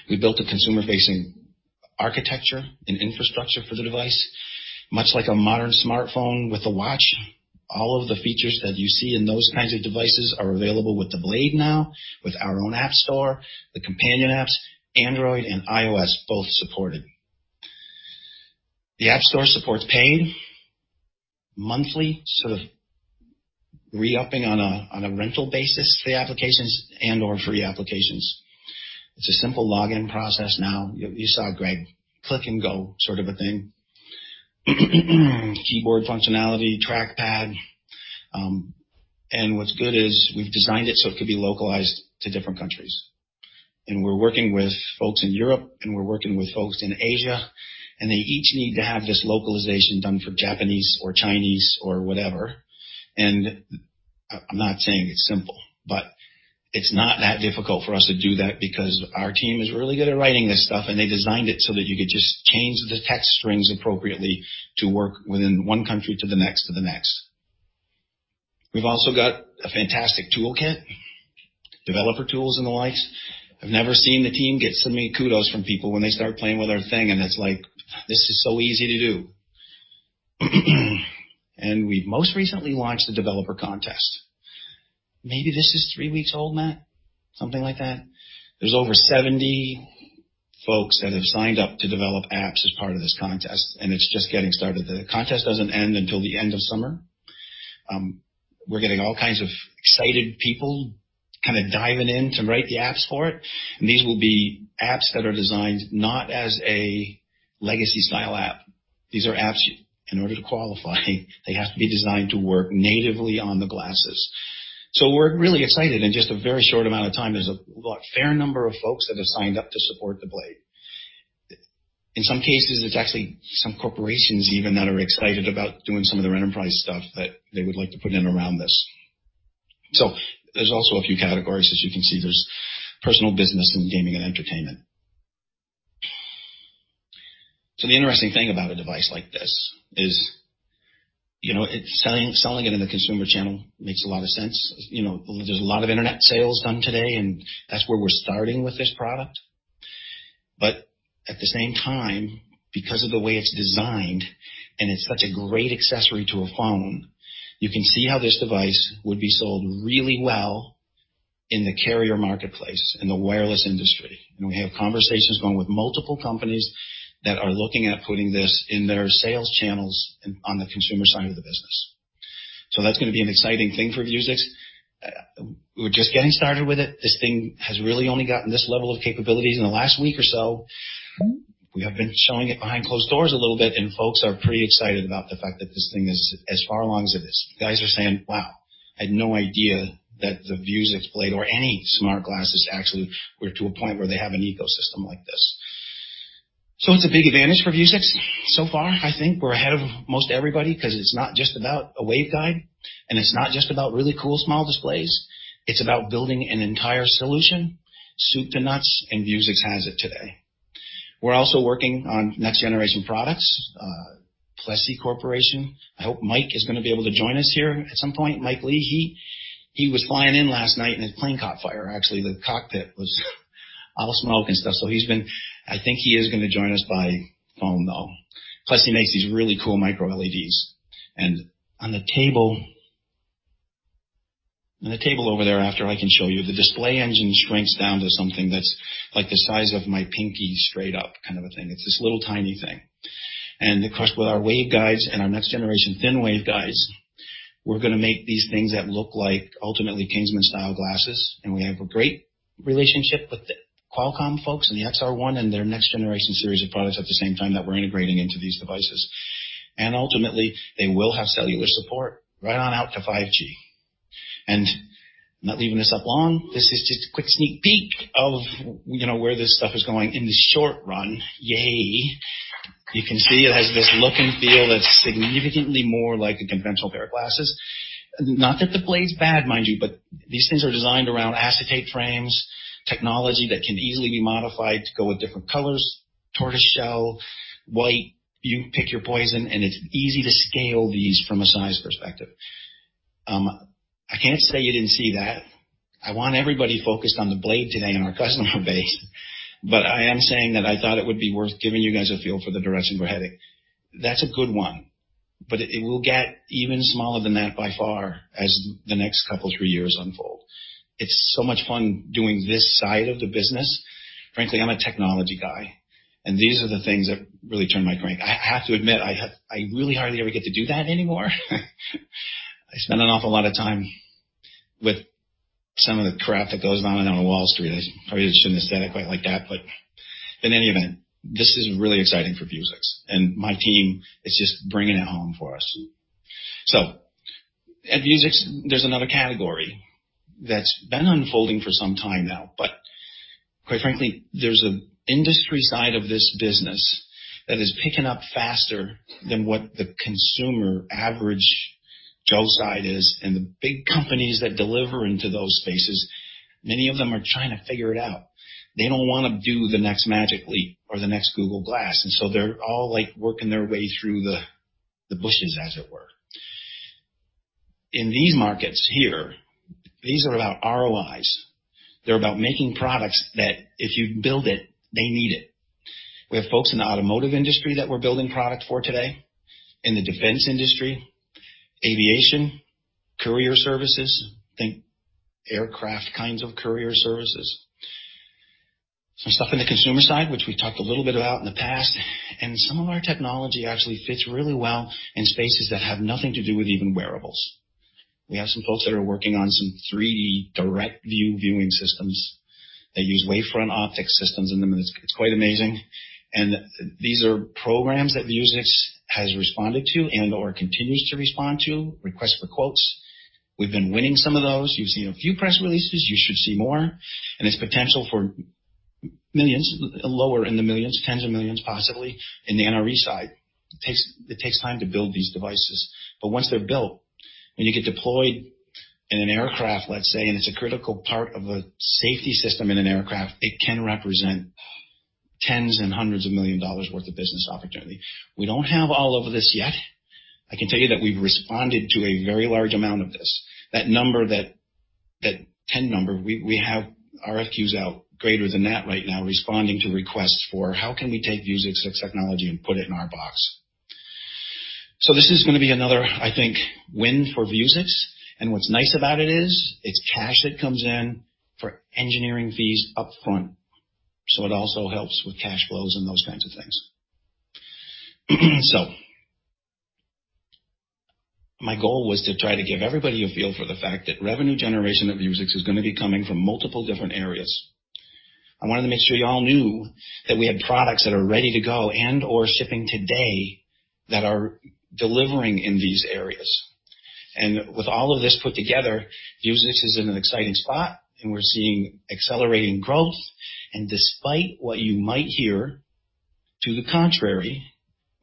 Speaker 1: We built a consumer-facing architecture and infrastructure for the device, much like a modern smartphone with a watch. All of the features that you see in those kinds of devices are available with the Blade now with our own App Store, the companion apps, Android and iOS both supported. The App Store supports paid monthly, sort of re-upping on a rental basis for the applications and/or free applications. It's a simple login process now. You saw Greg click and go sort of a thing. Keyboard functionality, trackpad. What's good is we've designed it so it could be localized to different countries. We're working with folks in Europe, we're working with folks in Asia, they each need to have this localization done for Japanese or Chinese or whatever. I'm not saying it's simple, it's not that difficult for us to do that because our team is really good at writing this stuff, they designed it so that you could just change the text strings appropriately to work within one country to the next, to the next. We've also got a fantastic toolkit, developer tools and the likes. I've never seen the team get so many kudos from people when they start playing with our thing, it's like, "This is so easy to do." We most recently launched a developer contest. Maybe this is three weeks old, Matt? Something like that. There's over 70 folks that have signed up to develop apps as part of this contest, it's just getting started. The contest doesn't end until the end of summer. We're getting all kinds of excited people diving in to write the apps for it, these will be apps that are designed not as a legacy style app. These are apps, in order to qualify, they have to be designed to work natively on the glasses. We're really excited. In just a very short amount of time, there's a fair number of folks that have signed up to support the Blade. In some cases, it's actually some corporations even that are excited about doing some of their enterprise stuff that they would like to put in around this. There's also a few categories. As you can see, there's personal, business, and gaming and entertainment. The interesting thing about a device like this is selling it in the consumer channel makes a lot of sense. There's a lot of internet sales done today, that's where we're starting with this product. At the same time, because of the way it's designed and it's such a great accessory to a phone, you can see how this device would be sold really well in the carrier marketplace, in the wireless industry. We have conversations going with multiple companies that are looking at putting this in their sales channels and on the consumer side of the business. That's going to be an exciting thing for Vuzix. We're just getting started with it. This thing has really only gotten this level of capabilities in the last week or so. We have been showing it behind closed doors a little bit, and folks are pretty excited about the fact that this thing is as far along as it is. Guys are saying, "Wow, I had no idea that the Vuzix Blade or any smart glasses actually were to a point where they have an ecosystem like this." It's a big advantage for Vuzix. So far, I think we're ahead of most everybody because it's not just about a waveguide, and it's not just about really cool small displays. It's about building an entire solution, soup to nuts, and Vuzix has it today. We're also working on next generation products. Plessey Corporation. I hope Mike is going to be able to join us here at some point. Mike Lee. He was flying in last night, and his plane caught fire. Actually, the cockpit was all smoke and stuff. I think he is going to join us by phone, though. Plessey makes these really cool microLEDs. On the table over there, after I can show you, the display engine shrinks down to something that's like the size of my pinky straight up kind of a thing. It's this little tiny thing. Of course, with our waveguides and our next generation thin waveguides, we're going to make these things that look like ultimately Kingsman style glasses. We have a great relationship with the Qualcomm folks and the XR1 and their next generation series of products at the same time that we're integrating into these devices. Ultimately, they will have cellular support right on out to 5G. I'm not leaving this up long. This is just a quick sneak peek of where this stuff is going in the short run. Yay. You can see it has this look and feel that's significantly more like a conventional pair of glasses. Not that the Blade's bad, mind you, but these things are designed around acetate frames, technology that can easily be modified to go with different colors, tortoise shell, white. You pick your poison, and it's easy to scale these from a size perspective. I can't say you didn't see that. I want everybody focused on the Blade today and our customer base. I am saying that I thought it would be worth giving you guys a feel for the direction we're heading. That's a good one, it will get even smaller than that by far as the next couple of three years unfold. It's so much fun doing this side of the business. Frankly, I'm a technology guy, and these are the things that really turn my crank. I have to admit, I really hardly ever get to do that anymore. I spend an awful lot of time with some of the crap that goes on on Wall Street. I probably shouldn't have said it quite like that, in any event, this is really exciting for Vuzix, and my team is just bringing it home for us. At Vuzix, there's another category that's been unfolding for some time now, quite frankly, there's an industry side of this business that is picking up faster than what the consumer average Joe side is. The big companies that deliver into those spaces, many of them are trying to figure it out. They don't want to do the next Magic Leap or the next Google Glass, they're all working their way through the bushes, as it were. In these markets here, these are about ROIs. They're about making products that if you build it, they need it. We have folks in the automotive industry that we're building product for today, in the defense industry, aviation, courier services. Think aircraft kinds of courier services. Some stuff in the consumer side, which we've talked a little bit about in the past, and some of our technology actually fits really well in spaces that have nothing to do with even wearables. We have some folks that are working on some 3D direct view viewing systems that use wavefront optics systems in them, it's quite amazing. These are programs that Vuzix has responded to and/or continues to respond to requests for quotes. We've been winning some of those. You've seen a few press releases. You should see more. It's potential for $ millions, lower in the $ millions, $ tens of millions, possibly, in the NRE side. It takes time to build these devices, but once they're built and you get deployed in an aircraft, let's say, and it's a critical part of a safety system in an aircraft, it can represent $ tens and hundreds of millions worth of business opportunity. We don't have all over this yet. I can tell you that we've responded to a very large amount of this. That 10 number, we have RFQs out greater than that right now responding to requests for how can we take Vuzix's technology and put it in our box. This is going to be another, I think, win for Vuzix, and what's nice about it is, it's cash that comes in for engineering fees up front. It also helps with cash flows and those kinds of things. My goal was to try to give everybody a feel for the fact that revenue generation at Vuzix is going to be coming from multiple different areas. I wanted to make sure you all knew that we had products that are ready to go and/or shipping today that are delivering in these areas. With all of this put together, Vuzix is in an exciting spot, and we're seeing accelerating growth. Despite what you might hear to the contrary,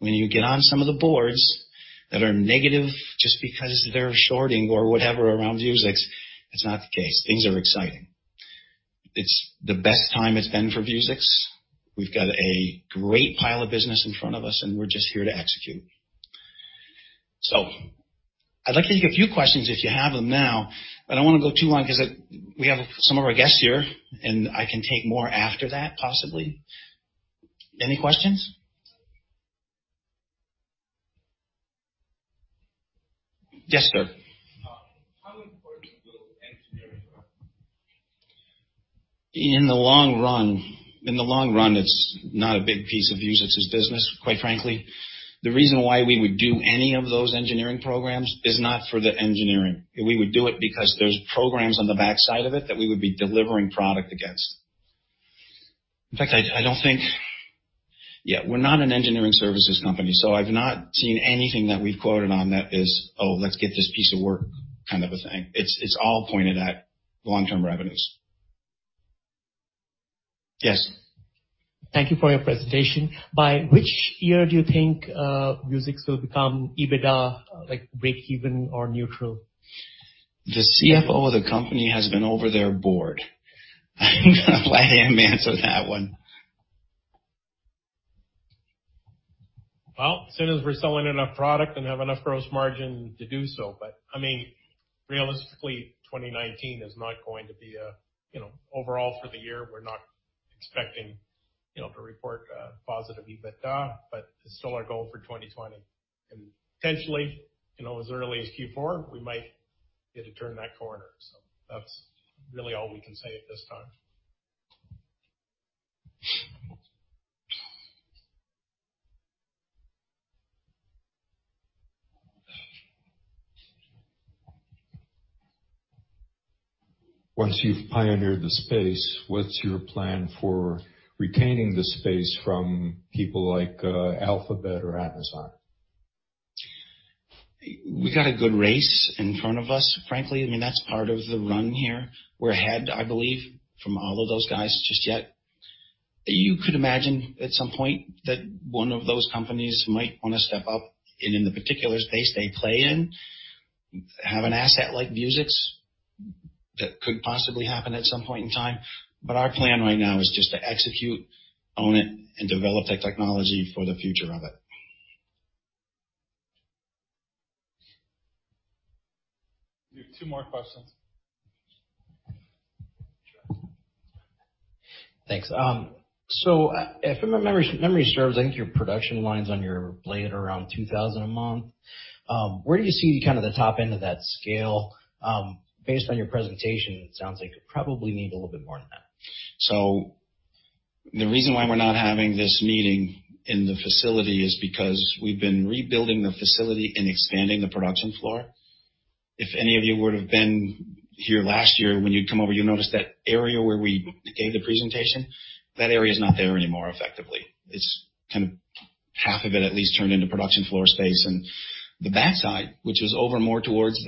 Speaker 1: when you get on some of the boards that are negative just because they're shorting or whatever around Vuzix, it's not the case. Things are exciting. It's the best time it's been for Vuzix. We've got a great pile of business in front of us, and we're just here to execute. I'd like to take a few questions if you have them now, but I don't want to go too long because we have some of our guests here, and I can take more after that, possibly. Any questions? Yes, sir.
Speaker 4: How important will engineering be?
Speaker 1: In the long run, it's not a big piece of Vuzix's business, quite frankly. The reason why we would do any of those engineering programs is not for the engineering. We would do it because there's programs on the backside of it that we would be delivering product against. In fact, I don't think Yeah, we're not an engineering services company, so I've not seen anything that we've quoted on that is, oh, let's get this piece of work kind of a thing. It's all pointed at long-term revenues. Yes.
Speaker 5: Thank you for your presentation. By which year do you think Vuzix will become EBITDA, like break even or neutral?
Speaker 1: The CFO of the company has been over there board. I'm going to let him answer that one.
Speaker 6: Well, as soon as we're selling enough product and have enough gross margin to do so. Realistically, 2019 is not going to be, overall for the year, we're not expecting to report a positive EBITDA, but it's still our goal for 2020. Potentially, as early as Q4, we might get to turn that corner, that's really all we can say at this time.
Speaker 7: Once you've pioneered the space, what's your plan for retaining the space from people like Alphabet or Amazon?
Speaker 1: We got a good race in front of us, frankly. That's part of the run here. We're ahead, I believe, from all of those guys just yet. You could imagine at some point that one of those companies might want to step up and in the particular space they play in, have an asset like Vuzix. That could possibly happen at some point in time. Our plan right now is just to execute, own it, and develop that technology for the future of it.
Speaker 6: We have two more questions.
Speaker 8: Thanks. If my memory serves, I think your production line's on your Blade around 2,000 a month. Where do you see the top end of that scale? Based on your presentation, it sounds like you probably need a little bit more than that.
Speaker 1: The reason why we're not having this meeting in the facility is because we've been rebuilding the facility and expanding the production floor. If any of you would've been here last year, when you'd come over, you'd notice that area where we gave the presentation, that area is not there anymore effectively. It's kind of half of it at least turned into production floor space. The backside, which was over more towards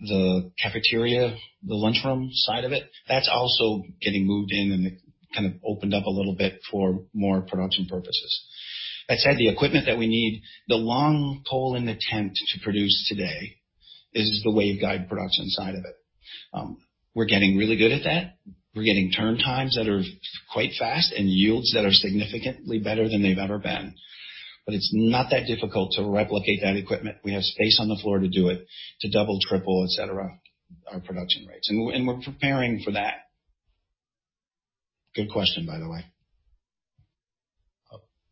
Speaker 1: the cafeteria, the lunchroom side of it, that's also getting moved in and it kind of opened up a little bit for more production purposes. That said, the equipment that we need, the long pole in the tent to produce today is the waveguide production side of it. We're getting really good at that. We're getting turn times that are quite fast and yields that are significantly better than they've ever been. It's not that difficult to replicate that equipment. We have space on the floor to do it, to double, triple, et cetera, our production rates. We're preparing for that. Good question, by the way.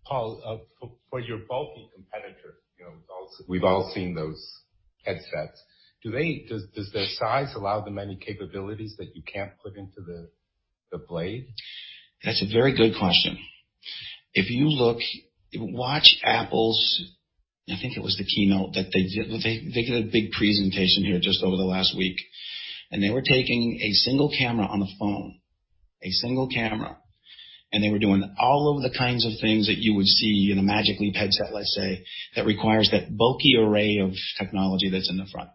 Speaker 4: Paul, for your bulky competitor, we've all seen those headsets. Does their size allow them any capabilities that you can't put into the Blade?
Speaker 1: That's a very good question. If you watch Apple's, I think it was the keynote that they did. They did a big presentation here just over the last week. They were taking a single camera on the phone, a single camera, and they were doing all of the kinds of things that you would see in a Magic Leap headset, let's say, that requires that bulky array of technology that's in the front.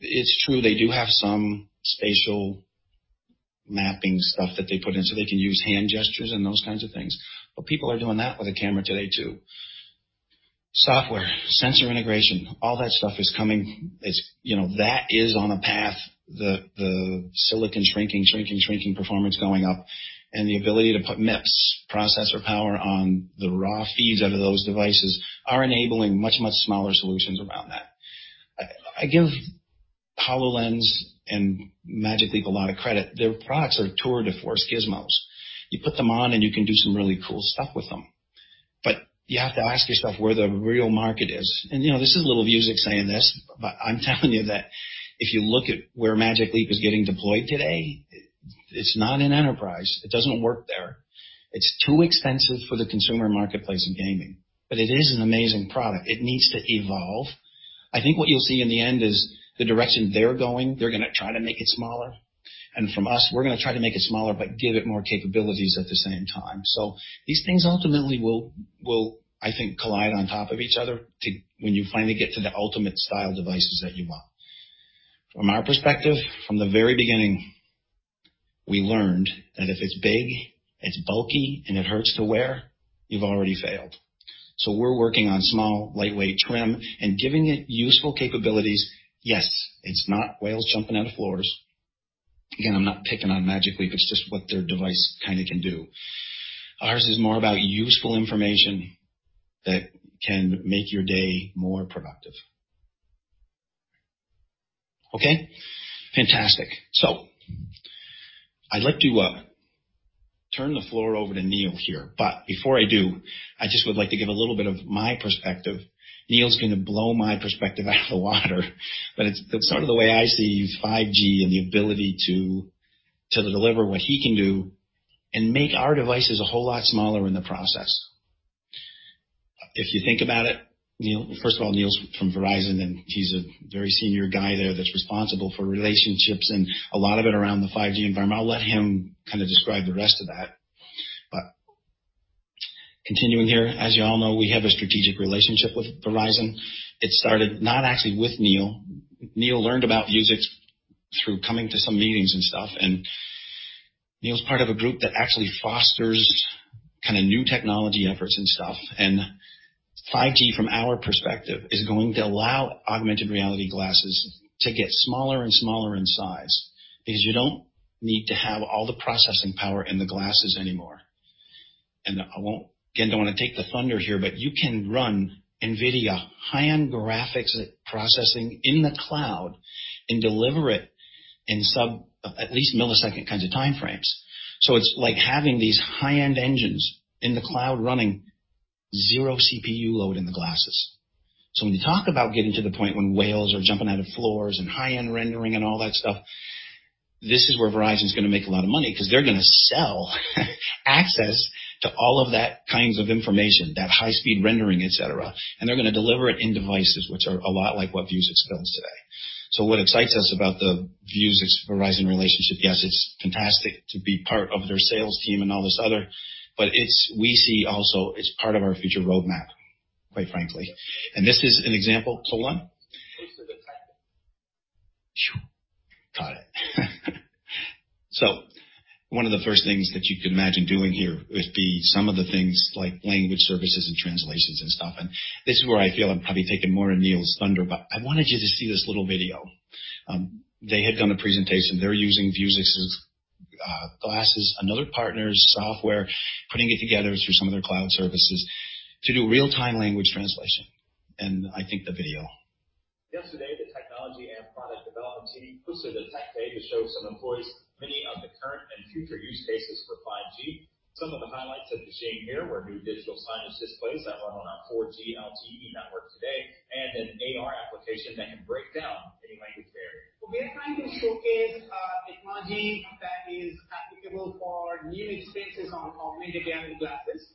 Speaker 1: It's true they do have some spatial mapping stuff that they put in, so they can use hand gestures and those kinds of things. People are doing that with a camera today, too. Software, sensor integration, all that stuff is coming. That is on a path, the silicon shrinking, shrinking, performance going up. The ability to put MIPS processor power on the raw feeds out of those devices are enabling much, much smaller solutions around that. I give HoloLens and Magic Leap a lot of credit. Their products are tour de force gizmos. You put them on and you can do some really cool stuff with them. You have to ask yourself where the real market is. This is little Vuzix saying this, but I'm telling you that if you look at where Magic Leap is getting deployed today, it's not in enterprise. It doesn't work there. It's too expensive for the consumer marketplace in gaming. It is an amazing product. It needs to evolve. I think what you'll see in the end is the direction they're going, they're going to try to make it smaller. From us, we're going to try to make it smaller, but give it more capabilities at the same time. These things ultimately will, I think, collide on top of each other when you finally get to the ultimate style devices that you want. From our perspective, from the very beginning, we learned that if it's big, it's bulky, and it hurts to wear, you've already failed. We're working on small, lightweight, trim, and giving it useful capabilities. Yes, it's not whales jumping out of floors. Again, I'm not picking on Magic Leap, it's just what their device kinda can do. Ours is more about useful information that can make your day more productive. Okay. Fantastic. I'd like to turn the floor over to Neil here, but before I do, I just would like to give a little bit of my perspective. Neil's going to blow my perspective out of the water, but it's sort of the way I see 5G and the ability to deliver what he can do and make our devices a whole lot smaller in the process. If you think about it, first of all, Neil's from Verizon. He's a very senior guy there that's responsible for relationships and a lot of it around the 5G environment. I'll let him describe the rest of that. Continuing here, as you all know, we have a strategic relationship with Verizon. It started not actually with Neil. Neil learned about Vuzix through coming to some meetings and stuff. Neil's part of a group that actually fosters new technology efforts and stuff. 5G, from our perspective, is going to allow augmented reality glasses to get smaller and smaller in size because you don't need to have all the processing power in the glasses anymore. Again, don't want to take the thunder here, but you can run NVIDIA high-end graphics processing in the cloud and deliver it in sub at least millisecond kinds of time frames. It's like having these high-end engines in the cloud running zero CPU load in the glasses. When you talk about getting to the point when whales are jumping out of floors and high-end rendering and all that stuff, this is where Verizon's going to make a lot of money because they're going to sell access to all of that kinds of information, that high-speed rendering, et cetera. They're going to deliver it in devices, which are a lot like what Vuzix does today. What excites us about the Vuzix-Verizon relationship, yes, it's fantastic to be part of their sales team and all this other, but we see also it's part of our future roadmap, quite frankly. This is an example. [Solon]? Got it. One of the first things that you could imagine doing here would be some of the things like language services and translations and stuff, this is where I feel I'm probably taking more of Neil's thunder, but I wanted you to see this little video. They had done a presentation. They're using Vuzix's glasses, another partner's software, putting it together through some of their cloud services to do real-time language translation. Yesterday, the technology and product development team hosted a tech day to show some employees many of the current and future use cases for 5G. Some of the highlights that you're seeing here were new digital signage displays that run on our 4G LTE network today, and an AR application that can break down any language barrier.
Speaker 2: We are trying to showcase a technology that is applicable for new use cases on augmented reality glasses.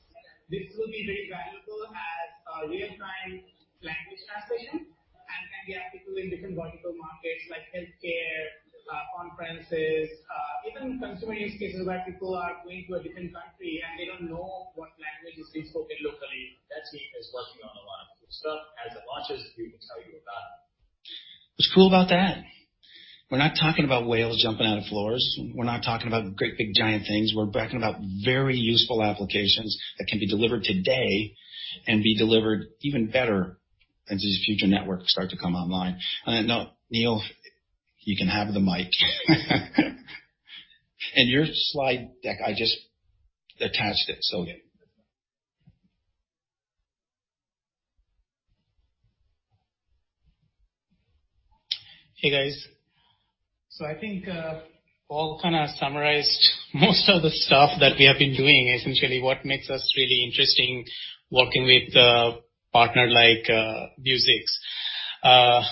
Speaker 2: This will be very valuable as a real-time language translation and can be applicable in different vertical markets like healthcare, conferences, even consumer use cases where people are going to a different country, and they don't know what language is being spoken locally.
Speaker 1: What's cool about that? We're not talking about whales jumping out of floors. We're not talking about great big, giant things. We're talking about very useful applications that can be delivered today and be delivered even better as these future networks start to come online. Neil, you can have the mic. Your slide deck, I just attached it.
Speaker 9: Hey, guys. I think, Paul kind of summarized most of the stuff that we have been doing, essentially what makes us really interesting working with a partner like Vuzix.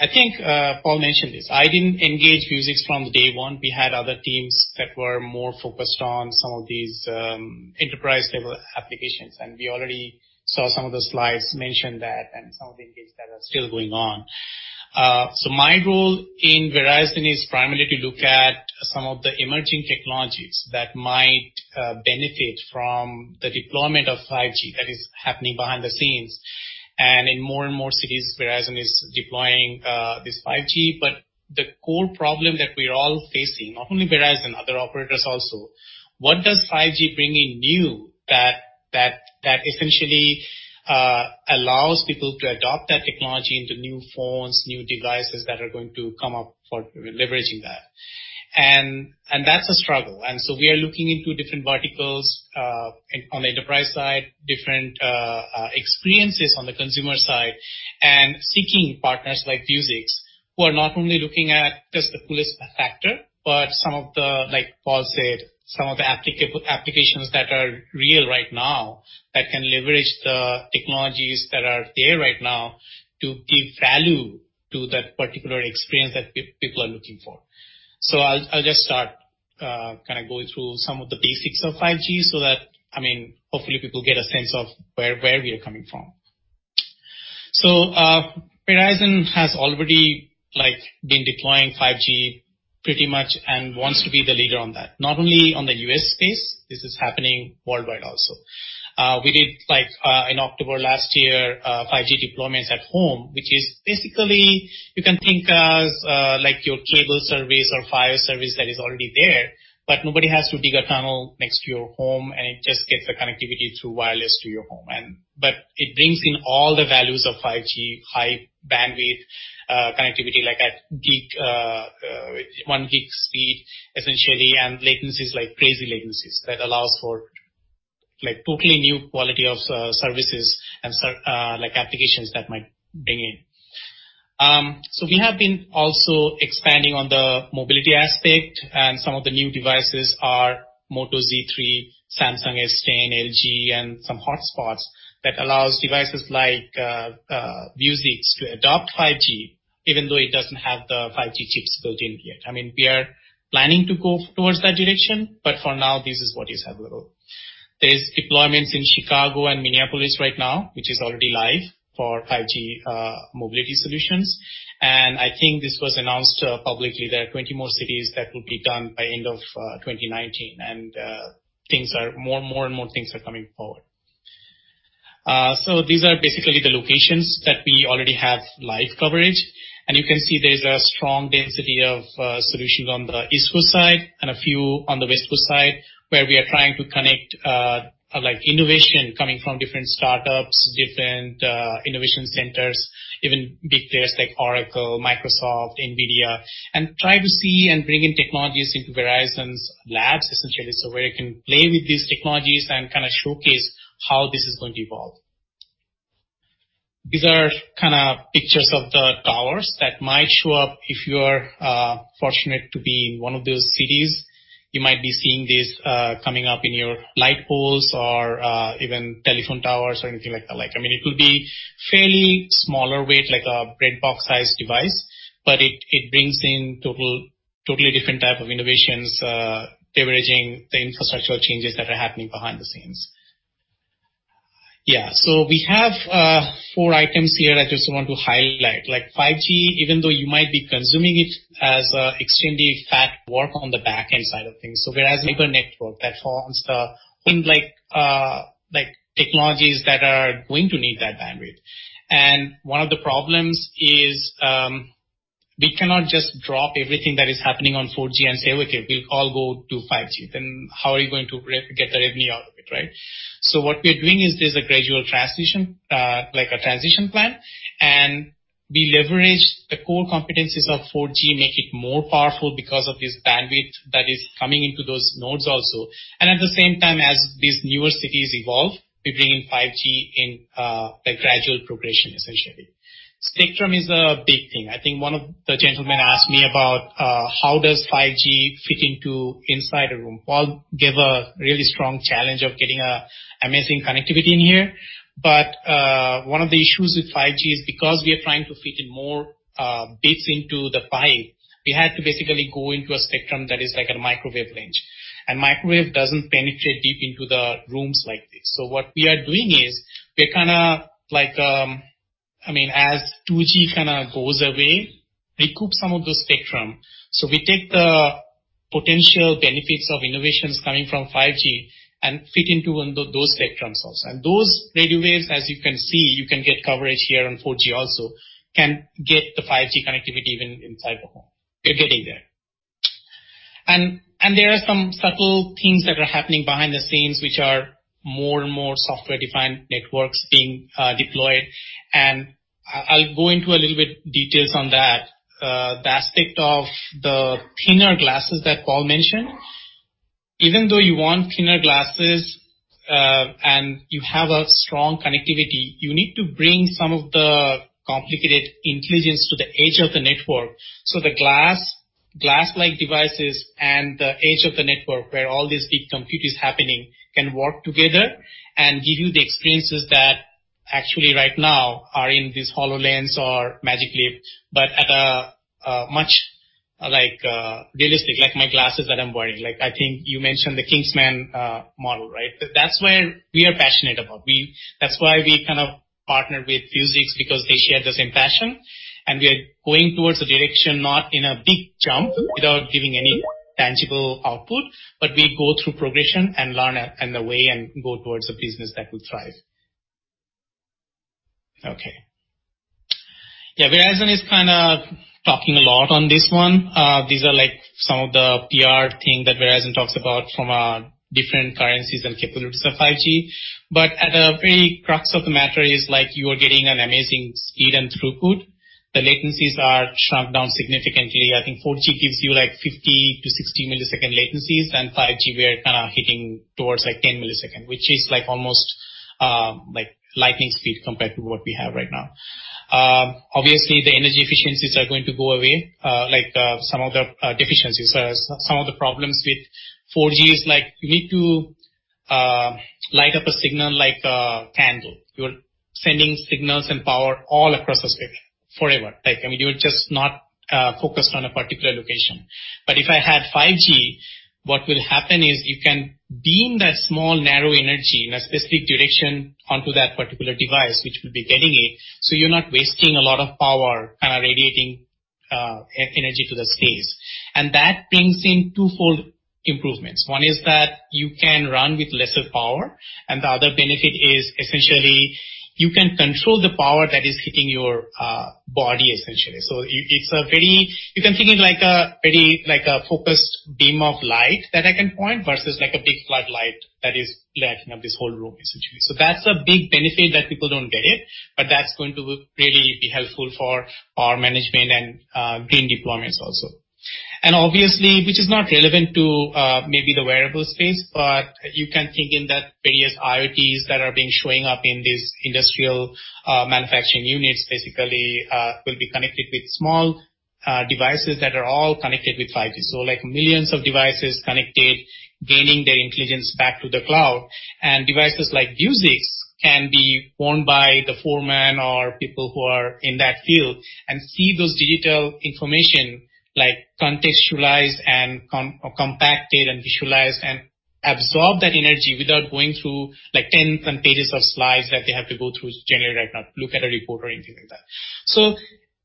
Speaker 9: I think Paul mentioned this. I didn't engage Vuzix from day one. We had other teams that were more focused on some of these enterprise-level applications, and we already saw some of the slides mention that and some of the engagements that are still going on. My role in Verizon is primarily to look at some of the emerging technologies that might benefit from the deployment of 5G that is happening behind the scenes. In more and more cities, Verizon is deploying this 5G. The core problem that we're all facing, not only Verizon, other operators also, what does 5G bring in new that essentially allows people to adopt that technology into new phones, new devices that are going to come up for leveraging that? That's a struggle. We are looking into different verticals on the enterprise side, different experiences on the consumer side, and seeking partners like Vuzix, who are not only looking at just the coolest factor, but some of the, like Paul said, some of the applications that are real right now that can leverage the technologies that are there right now to give value to that particular experience that people are looking for. I'll just start going through some of the basics of 5G so that hopefully people get a sense of where we are coming from. Verizon has already been deploying 5G pretty much and wants to be the leader on that. Not only on the U.S. space, this is happening worldwide also. We did in October last year, 5G deployments at home, which is basically, you can think as your cable service or fiber service that is already there, but nobody has to dig a tunnel next to your home, and it just gets the connectivity through wireless to your home. It brings in all the values of 5G, high bandwidth, connectivity like at 1 gig speed, essentially, and latencies like crazy latencies that allows for totally new quality of services and applications that might bring in. We have been also expanding on the mobility aspect, and some of the new devices are Moto Z3, Samsung S10, LG, and some hotspots that allows devices like Vuzix to adopt 5G even though it doesn't have the 5G chips built in yet. We are planning to go towards that direction, but for now, this is what is available. There's deployments in Chicago and Minneapolis right now, which is already live for 5G mobility solutions. I think this was announced publicly, there are 20 more cities that will be done by end of 2019, and more and more things are coming forward. These are basically the locations that we already have live coverage. You can see there's a strong density of solutions on the East Coast side and a few on the West Coast side, where we are trying to connect innovation coming from different startups, different innovation centers, even big players like Oracle, Microsoft, NVIDIA, and try to see and bring in technologies into Verizon's labs, essentially. Where you can play with these technologies and kind of showcase how this is going to evolve. These are pictures of the towers that might show up if you are fortunate to be in one of those cities. You might be seeing this coming up in your light poles or even telephone towers or anything like that. It will be fairly smaller weight, like a breadbox-sized device, but it brings in totally different type of innovations, leveraging the infrastructural changes that are happening behind the scenes. Yeah. We have four items here I just want to highlight. 5G, even though you might be consuming it as extremely fast, work on the back end side of things. Whereas mobile network that forms the things like technologies that are going to need that bandwidth. One of the problems is, we cannot just drop everything that is happening on 4G and say, "Okay, we'll all go to 5G." How are you going to get the revenue out of it, right? What we're doing is there's a gradual transition, like a transition plan, and we leverage the core competencies of 4G, make it more powerful because of this bandwidth that is coming into those nodes also. At the same time, as these newer cities evolve, we bring in 5G in a gradual progression, essentially. Spectrum is a big thing. I think one of the gentlemen asked me about how does 5G fit into inside a room. Paul gave a really strong challenge of getting amazing connectivity in here. One of the issues with 5G is because we are trying to fit in more bits into the pie, we had to basically go into a spectrum that is like a microwave range. Microwave doesn't penetrate deep into the rooms like this. What we are doing is we're kind of like, as 2G kind of goes away, recoup some of those spectrum. We take the potential benefits of innovations coming from 5G and fit into those spectrums also. Those radio waves, as you can see, you can get coverage here on 4G also, can get the 5G connectivity even inside the home. We're getting there. There are some subtle things that are happening behind the scenes, which are more and more software-defined networks being deployed. I'll go into a little bit details on that. The aspect of the thinner glasses that Paul mentioned. Even though you want thinner glasses, and you have a strong connectivity, you need to bring some of the complicated intelligence to the edge of the network. The glass-like devices and the edge of the network where all this big compute is happening can work together and give you the experiences that actually right now are in this HoloLens or Magic Leap, but at a much realistic, like my glasses that I'm wearing. I think you mentioned the Kingsman model, right? That's where we are passionate about. That's why we partnered with Vuzix because they share the same passion, we are going towards a direction, not in a big jump without giving any tangible output, but we go through progression and learn and the way and go towards a business that will thrive. Okay. Verizon is talking a lot on this one. These are some of the PR things that Verizon talks about from different currencies and capabilities of 5G. At the very crux of the matter is you are getting an amazing speed and throughput. The latencies are shrunk down significantly. I think 4G gives you 50 to 60-millisecond latencies, and 5G, we are hitting towards 10 milliseconds, which is almost lightning speed compared to what we have right now. Obviously, the energy efficiencies are going to go away, like some of the deficiencies. Some of the problems with 4G is you need to light up a signal like a candle. You're sending signals and power all across the spectrum forever. You're just not focused on a particular location. If I had 5G, what will happen is you can beam that small, narrow energy in a specific direction onto that particular device, which will be getting it. You're not wasting a lot of power radiating energy to the space. That brings in twofold improvements. One is that you can run with lesser power, and the other benefit is essentially, you can control the power that is hitting your body, essentially. You can think it like a focused beam of light that I can point versus a big floodlight that is lighting up this whole room, essentially. That's a big benefit that people don't get, but that's going to really be helpful for power management and green deployments also. Obviously, which is not relevant to maybe the wearable space, but you can think in that various IoTs that have been showing up in these industrial manufacturing units, basically will be connected with small devices that are all connected with 5G. Millions of devices connected, gaining their intelligence back to the cloud. Devices like Vuzix can be worn by the foreman or people who are in that field and see those digital information contextualized and compacted and visualized, and absorb that energy without going through 10 pages of slides like they have to go through generally right now to look at a report or anything like that.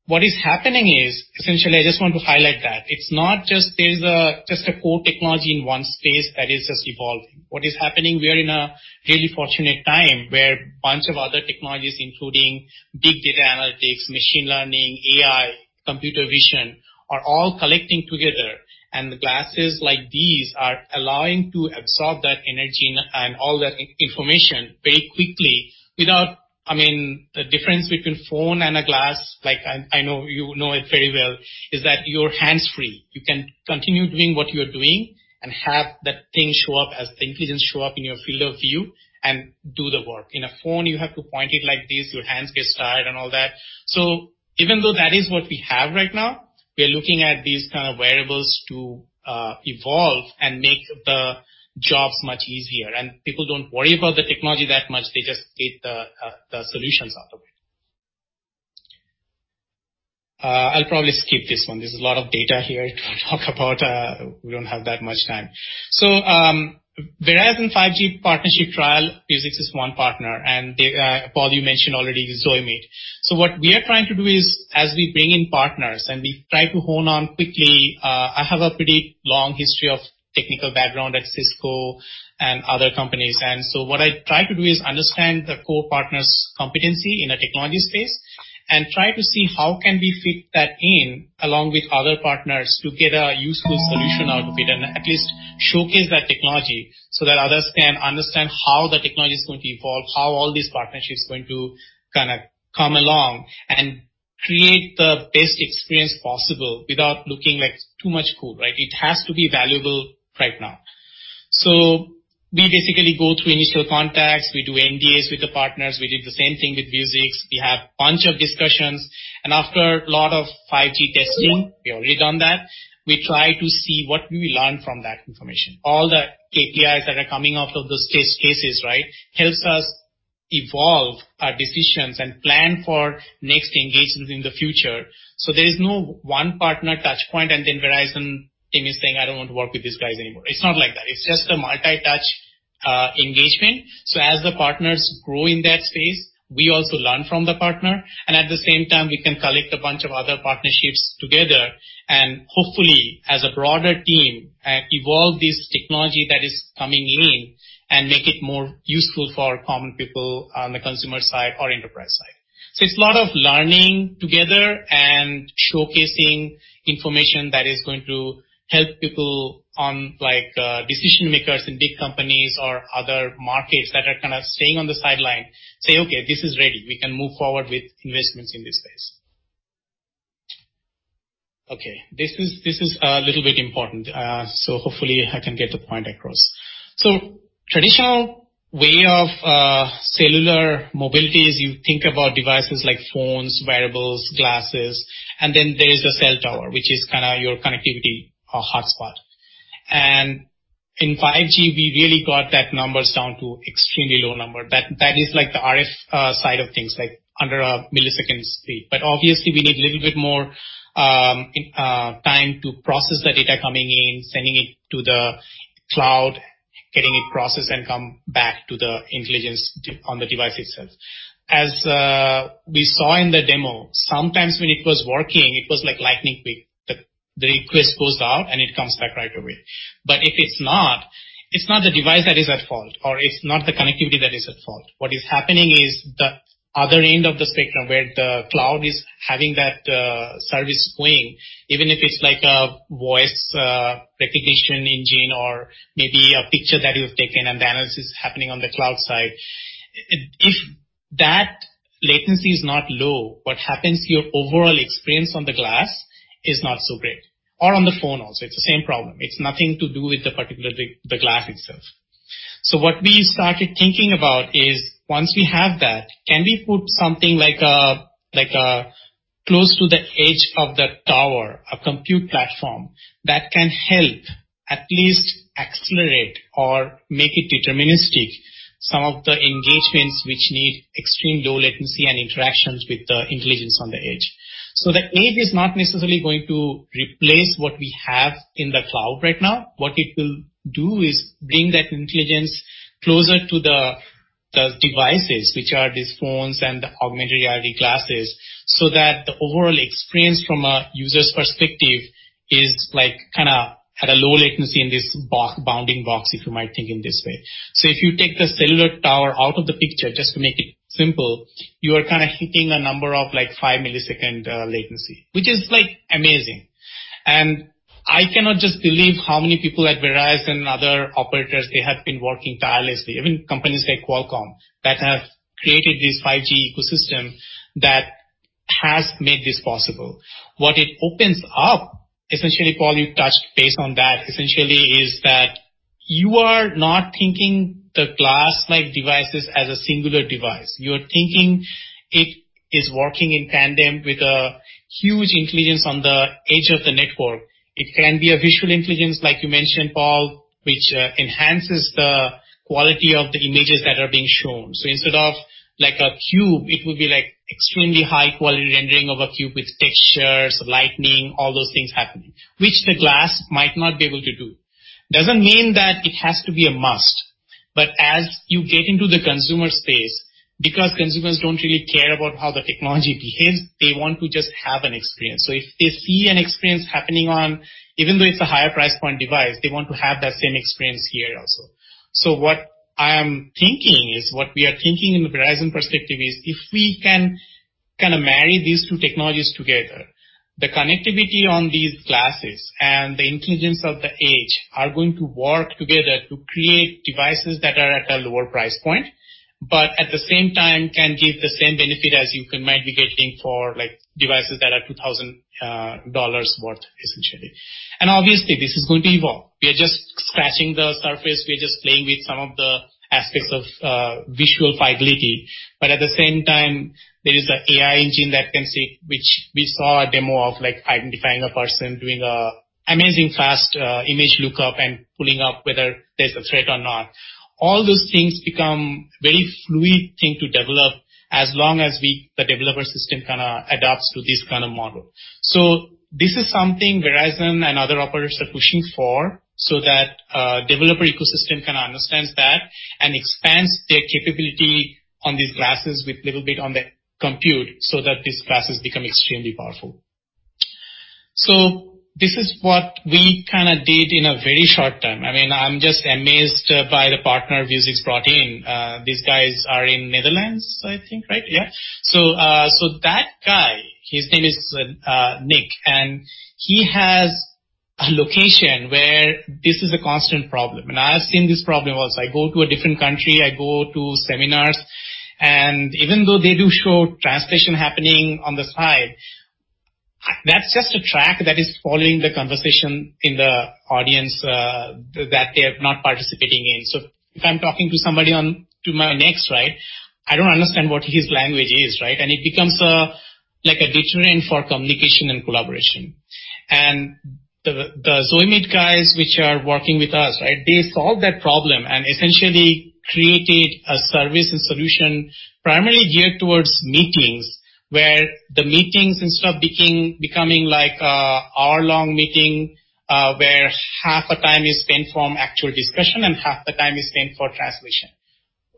Speaker 9: What is happening is, essentially, I just want to highlight that it's not just there's a core technology in one space that is just evolving. What is happening, we are in a really fortunate time where a bunch of other technologies, including big data analytics, machine learning, AI, computer vision, are all collecting together, and the glasses like these are allowing to absorb that energy and all that information very quickly. The difference between phone and a glass, I know you know it very well, is that you're hands-free. You can continue doing what you're doing and have that thing show up as the intelligence show up in your field of view and do the work. In a phone, you have to point it like this, your hands get tired and all that. Even though that is what we have right now, we are looking at these kind of wearables to evolve and make the jobs much easier. People don't worry about the technology that much. They just take the solutions out of it. I'll probably skip this one. There's a lot of data here to talk about. We don't have that much time. Verizon 5G partnership trial, Vuzix is one partner, and Paul, you mentioned already with Zoi Meet. What we are trying to do is as we bring in partners and we try to hone on quickly, I have a pretty long history of technical background at Cisco and other companies. What I try to do is understand the core partner's competency in a technology space and try to see how can we fit that in along with other partners to get a useful solution out of it and at least showcase that technology so that others can understand how the technology is going to evolve, how all these partnerships are going to come along and create the best experience possible without looking like too much code, right? It has to be valuable right now. We basically go through initial contacts. We do NDAs with the partners. We did the same thing with Vuzix. We have a bunch of discussions, and after a lot of 5G testing, we already done that, we try to see what we will learn from that information. All the KPIs that are coming off of those test cases, right? Helps us evolve our decisions and plan for next engagements in the future. There is no one partner touch point, and then Verizon team is saying, "I don't want to work with these guys anymore." It's not like that. It's just a multi-touch engagement. As the partners grow in that space, we also learn from the partner. At the same time, we can collect a bunch of other partnerships together and hopefully, as a broader team, evolve this technology that is coming in and make it more useful for common people on the consumer side or enterprise side. It's a lot of learning together and showcasing information that is going to help people on, like, decision-makers in big companies or other markets that are kind of staying on the sideline say, "Okay, this is ready. We can move forward with investments in this space." Okay. This is a little bit important. Hopefully, I can get the point across. Traditional way of cellular mobility is you think about devices like phones, wearables, glasses, and then there is a cell tower, which is your connectivity hotspot. In 5G, we really got that numbers down to extremely low number. That is the RF side of things, like under a millisecond speed. Obviously, we need a little bit more time to process the data coming in, sending it to the cloud, getting it processed, and come back to the intelligence on the device itself. As we saw in the demo, sometimes when it was working, it was lightning quick. The request goes out and it comes back right away. If it's not, it's not the device that is at fault, or it's not the connectivity that is at fault. What is happening is the other end of the spectrum, where the cloud is having that service going, even if it's a voice recognition engine or maybe a picture that you've taken and the analysis is happening on the cloud side. If that latency is not low, what happens to your overall experience on the glass is not so great, or on the phone also, it's the same problem. It's nothing to do with the glass itself. What we started thinking about is, once we have that, can we put something close to the edge of the tower, a compute platform, that can help at least accelerate or make it deterministic, some of the engagements which need extreme low latency and interactions with the intelligence on the edge. The edge is not necessarily going to replace what we have in the cloud right now. What it will do is bring that intelligence closer to the devices, which are these phones and the augmented reality glasses, so that the overall experience from a user's perspective is at a low latency in this bounding box, if you might think in this way. If you take the cellular tower out of the picture, just to make it simple, you are hitting a number of five-millisecond latency, which is amazing. I cannot just believe how many people at Verizon and other operators, they have been working tirelessly. Even companies like Qualcomm that have created this 5G ecosystem that has made this possible. What it opens up, Paul, you touched base on that, is that you are not thinking the glass-like devices as a singular device. You're thinking it is working in tandem with a huge intelligence on the edge of the network. It can be a visual intelligence, like you mentioned, Paul, which enhances the quality of the images that are being shown. Instead of a cube, it would be extremely high-quality rendering of a cube with textures, lighting, all those things happening, which the glass might not be able to do. Doesn't mean that it has to be a must, but as you get into the consumer space, because consumers don't really care about how the technology behaves, they want to just have an experience. If they see an experience happening on, even though it's a higher price point device, they want to have that same experience here also. What we are thinking in the Verizon perspective is, if we can marry these two technologies together, the connectivity on these glasses and the intelligence of the edge are going to work together to create devices that are at a lower price point, but at the same time can give the same benefit as you might be getting for devices that are $2,000 worth. Obviously, this is going to evolve. We are just scratching the surface. We're just playing with some of the aspects of visual fidelity. At the same time, there is an AI engine that can see, which we saw a demo of identifying a person, doing an amazing fast image lookup, and pulling up whether there's a threat or not. All those things become very fluid thing to develop as long as the developer system adapts to this kind of model. This is something Verizon and other operators are pushing for so that a developer ecosystem can understand that and expands their capability on these glasses with a little bit on the compute so that these glasses become extremely powerful. This is what we did in a very short time. I'm just amazed by the partner Vuzix brought in. These guys are in Netherlands, I think, right? Yeah. That guy, his name is Nick, and he has a location where this is a constant problem. I have seen this problem also. Even though they do show translation happening on the side, that's just a track that is following the conversation in the audience, that they're not participating in. If I'm talking to somebody to my next, I don't understand what his language is. It becomes a deterrent for communication and collaboration. The Zomit guys, which are working with us, they solved that problem and essentially created a service and solution primarily geared towards meetings. Where the meetings instead of becoming an hour-long meeting, where half the time is spent for actual discussion and half the time is spent for translation.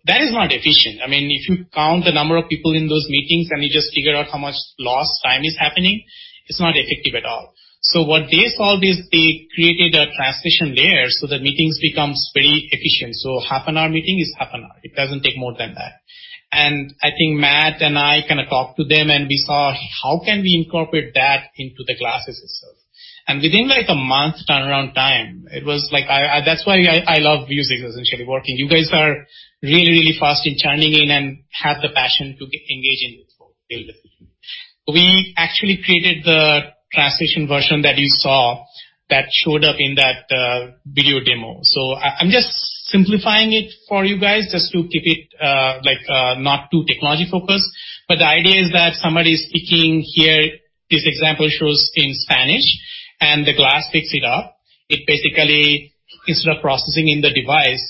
Speaker 9: That is not efficient. If you count the number of people in those meetings and you just figure out how much lost time is happening, it's not effective at all. What they solved is they created a translation layer so that meetings becomes very efficient. Half-an-hour meeting is half an hour. It doesn't take more than that. I think Matt and I talked to them and we saw how can we incorporate that into the glasses itself. Within a month turnaround time, it was like, that's why I love Vuzix, essentially, working. You guys are really fast in churning in and have the passion to engage in with folks. Build it. We actually created the translation version that you saw that showed up in that video demo. I'm just simplifying it for you guys just to keep it not too technology-focused. The idea is that somebody's speaking here, this example shows in Spanish, and the glass picks it up. It basically, instead of processing in the device,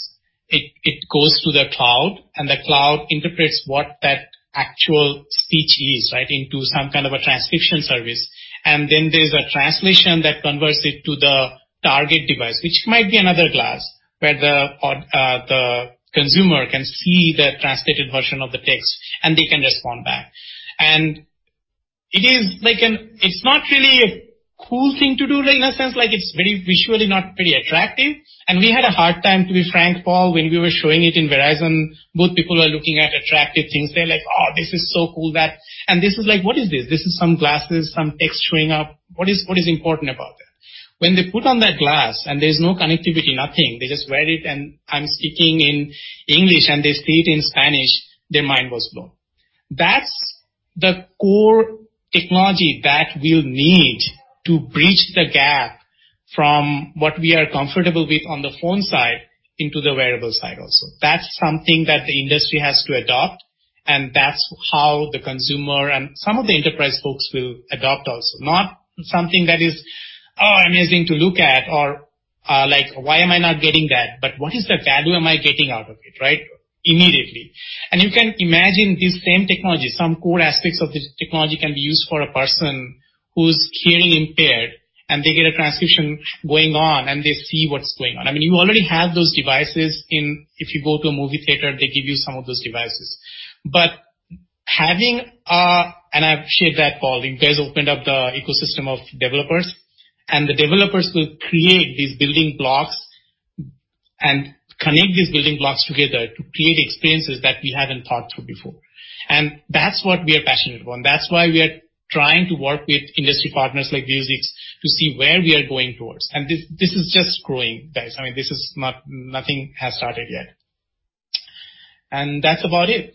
Speaker 9: it goes to the cloud, the cloud interprets what that actual speech is into some kind of a transcription service. Then there's a translation that converts it to the target device, which might be another glass, where the consumer can see the translated version of the text, and they can respond back. It's not really a cool thing to do, in a sense. It's visually not very attractive, and we had a hard time, to be frank, Paul, when we were showing it in Verizon, both people were looking at attractive things. They're like, "Oh, this is so cool." This is like, "What is this?" This is some glasses, some text showing up. What is important about that? When they put on that glass and there's no connectivity, nothing. They just wear it, I'm speaking in English, they see it in Spanish, their mind was blown. That's the core technology that we'll need to bridge the gap from what we are comfortable with on the phone side into the wearable side also. That's something that the industry has to adopt, that's how the consumer and some of the enterprise folks will adopt also. Not something that is, oh, amazing to look at or like, why am I not getting that? What is the value am I getting out of it, right? Immediately. You can imagine this same technology, some core aspects of this technology can be used for a person who's hearing impaired, they get a translation going on, they see what's going on. You already have those devices if you go to a movie theater, they give you some of those devices. I appreciate that, Paul. You guys opened up the ecosystem of developers, and the developers will create these building blocks and connect these building blocks together to create experiences that we haven't thought through before. That's what we are passionate about, and that's why we are trying to work with industry partners like Vuzix to see where we are going towards. This is just growing, guys. Nothing has started yet. That's about it.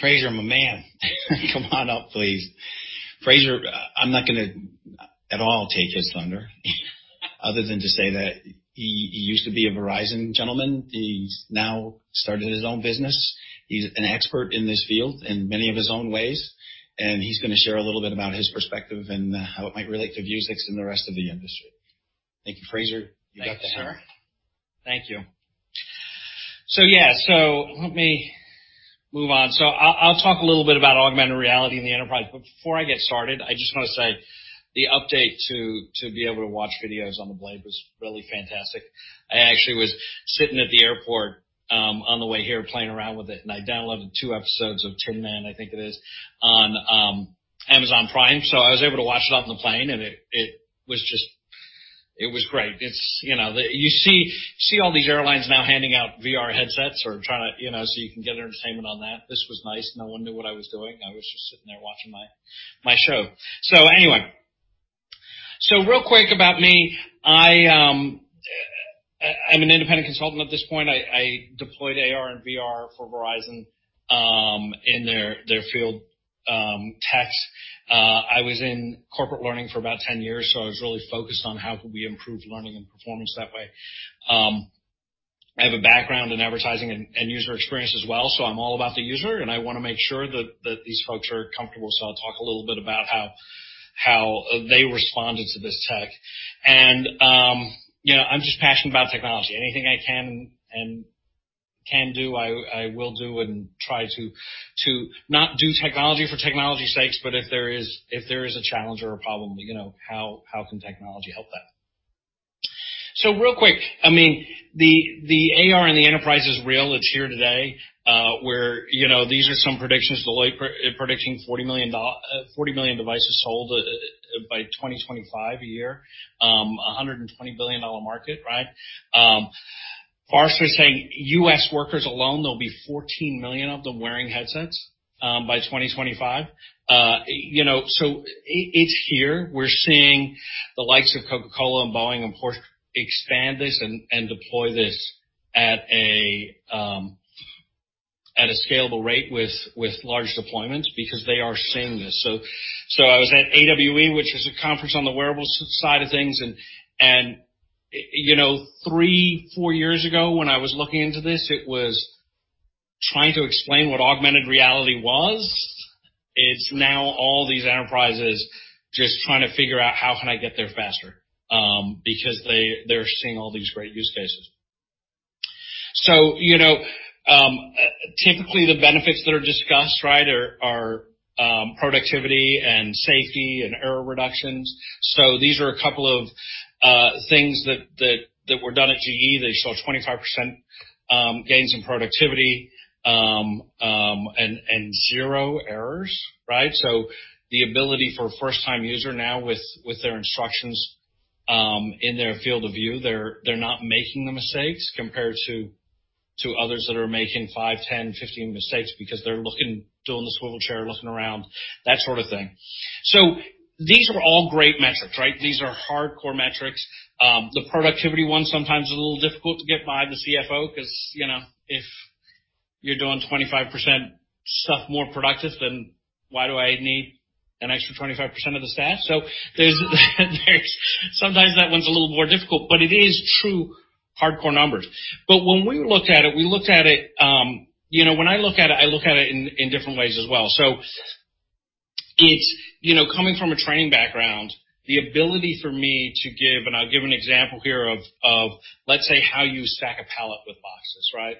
Speaker 1: Fraser, my man, come on up, please. Fraser, I'm not going to at all take his thunder other than to say that he used to be a Verizon gentleman. He's now started his own business. He's an expert in this field in many of his own ways, and he's going to share a little bit about his perspective and how it might relate to Vuzix and the rest of the industry. Thank you. Fraser, you got the honor.
Speaker 10: Thank you, sir. Thank you. Yeah, let me move on. I'll talk a little bit about augmented reality in the enterprise. Before I get started, I just want to say the update to be able to watch videos on the Blade was really fantastic. I actually was sitting at the airport on the way here playing around with it, and I downloaded two episodes of "Tin Man," I think it is, on Amazon Prime. I was able to watch it on the plane, and it was great. You see all these airlines now handing out VR headsets so you can get their entertainment on that. This was nice. No one knew what I was doing. I was just sitting there watching my show. Anyway. Real quick about me. I'm an independent consultant at this point. I deployed AR and VR for Verizon in their field tech. I was in corporate learning for about 10 years, so I was really focused on how could we improve learning and performance that way. I have a background in advertising and user experience as well, so I'm all about the user, and I want to make sure that these folks are comfortable. I'll talk a little bit about how they responded to this tech. I'm just passionate about technology. Anything I can do, I will do and try to not do technology for technology's sakes, but if there is a challenge or a problem, how can technology help that? Real quick, the AR in the enterprise is real. It's here today, where these are some predictions. Deloitte predicting 40 million devices sold by 2025, a year, $120 billion market, right? Forrester is saying U.S. workers alone, there'll be 14 million of them wearing headsets by 2025. It's here. We're seeing the likes of Coca-Cola and Boeing and Porsche expand this and deploy this at a scalable rate with large deployments because they are seeing this. I was at AWE, which is a conference on the wearables side of things, and three, four years ago, when I was looking into this, it was trying to explain what augmented reality was. It's now all these enterprises just trying to figure out, how can I get there faster? They're seeing all these great use cases. Typically, the benefits that are discussed, right, are productivity and safety and error reductions. These are a couple of things that were done at GE. They saw 25% gains in productivity and zero errors, right? The ability for a first-time user now with their instructions in their field of view, they're not making the mistakes compared to others that are making five, 10, 15 mistakes because they're looking, doing the swivel chair, looking around, that sort of thing. These are all great metrics, right? These are hardcore metrics. The productivity one sometimes is a little difficult to get by the CFO because if you're doing 25% stuff more productive, then why do I need an extra 25% of the staff? There's sometimes that one's a little more difficult, but it is true hardcore numbers. When we looked at it, when I look at it, I look at it in different ways as well. It's coming from a training background, the ability for me to give, and I'll give an example here of, let's say, how you stack a pallet with boxes, right?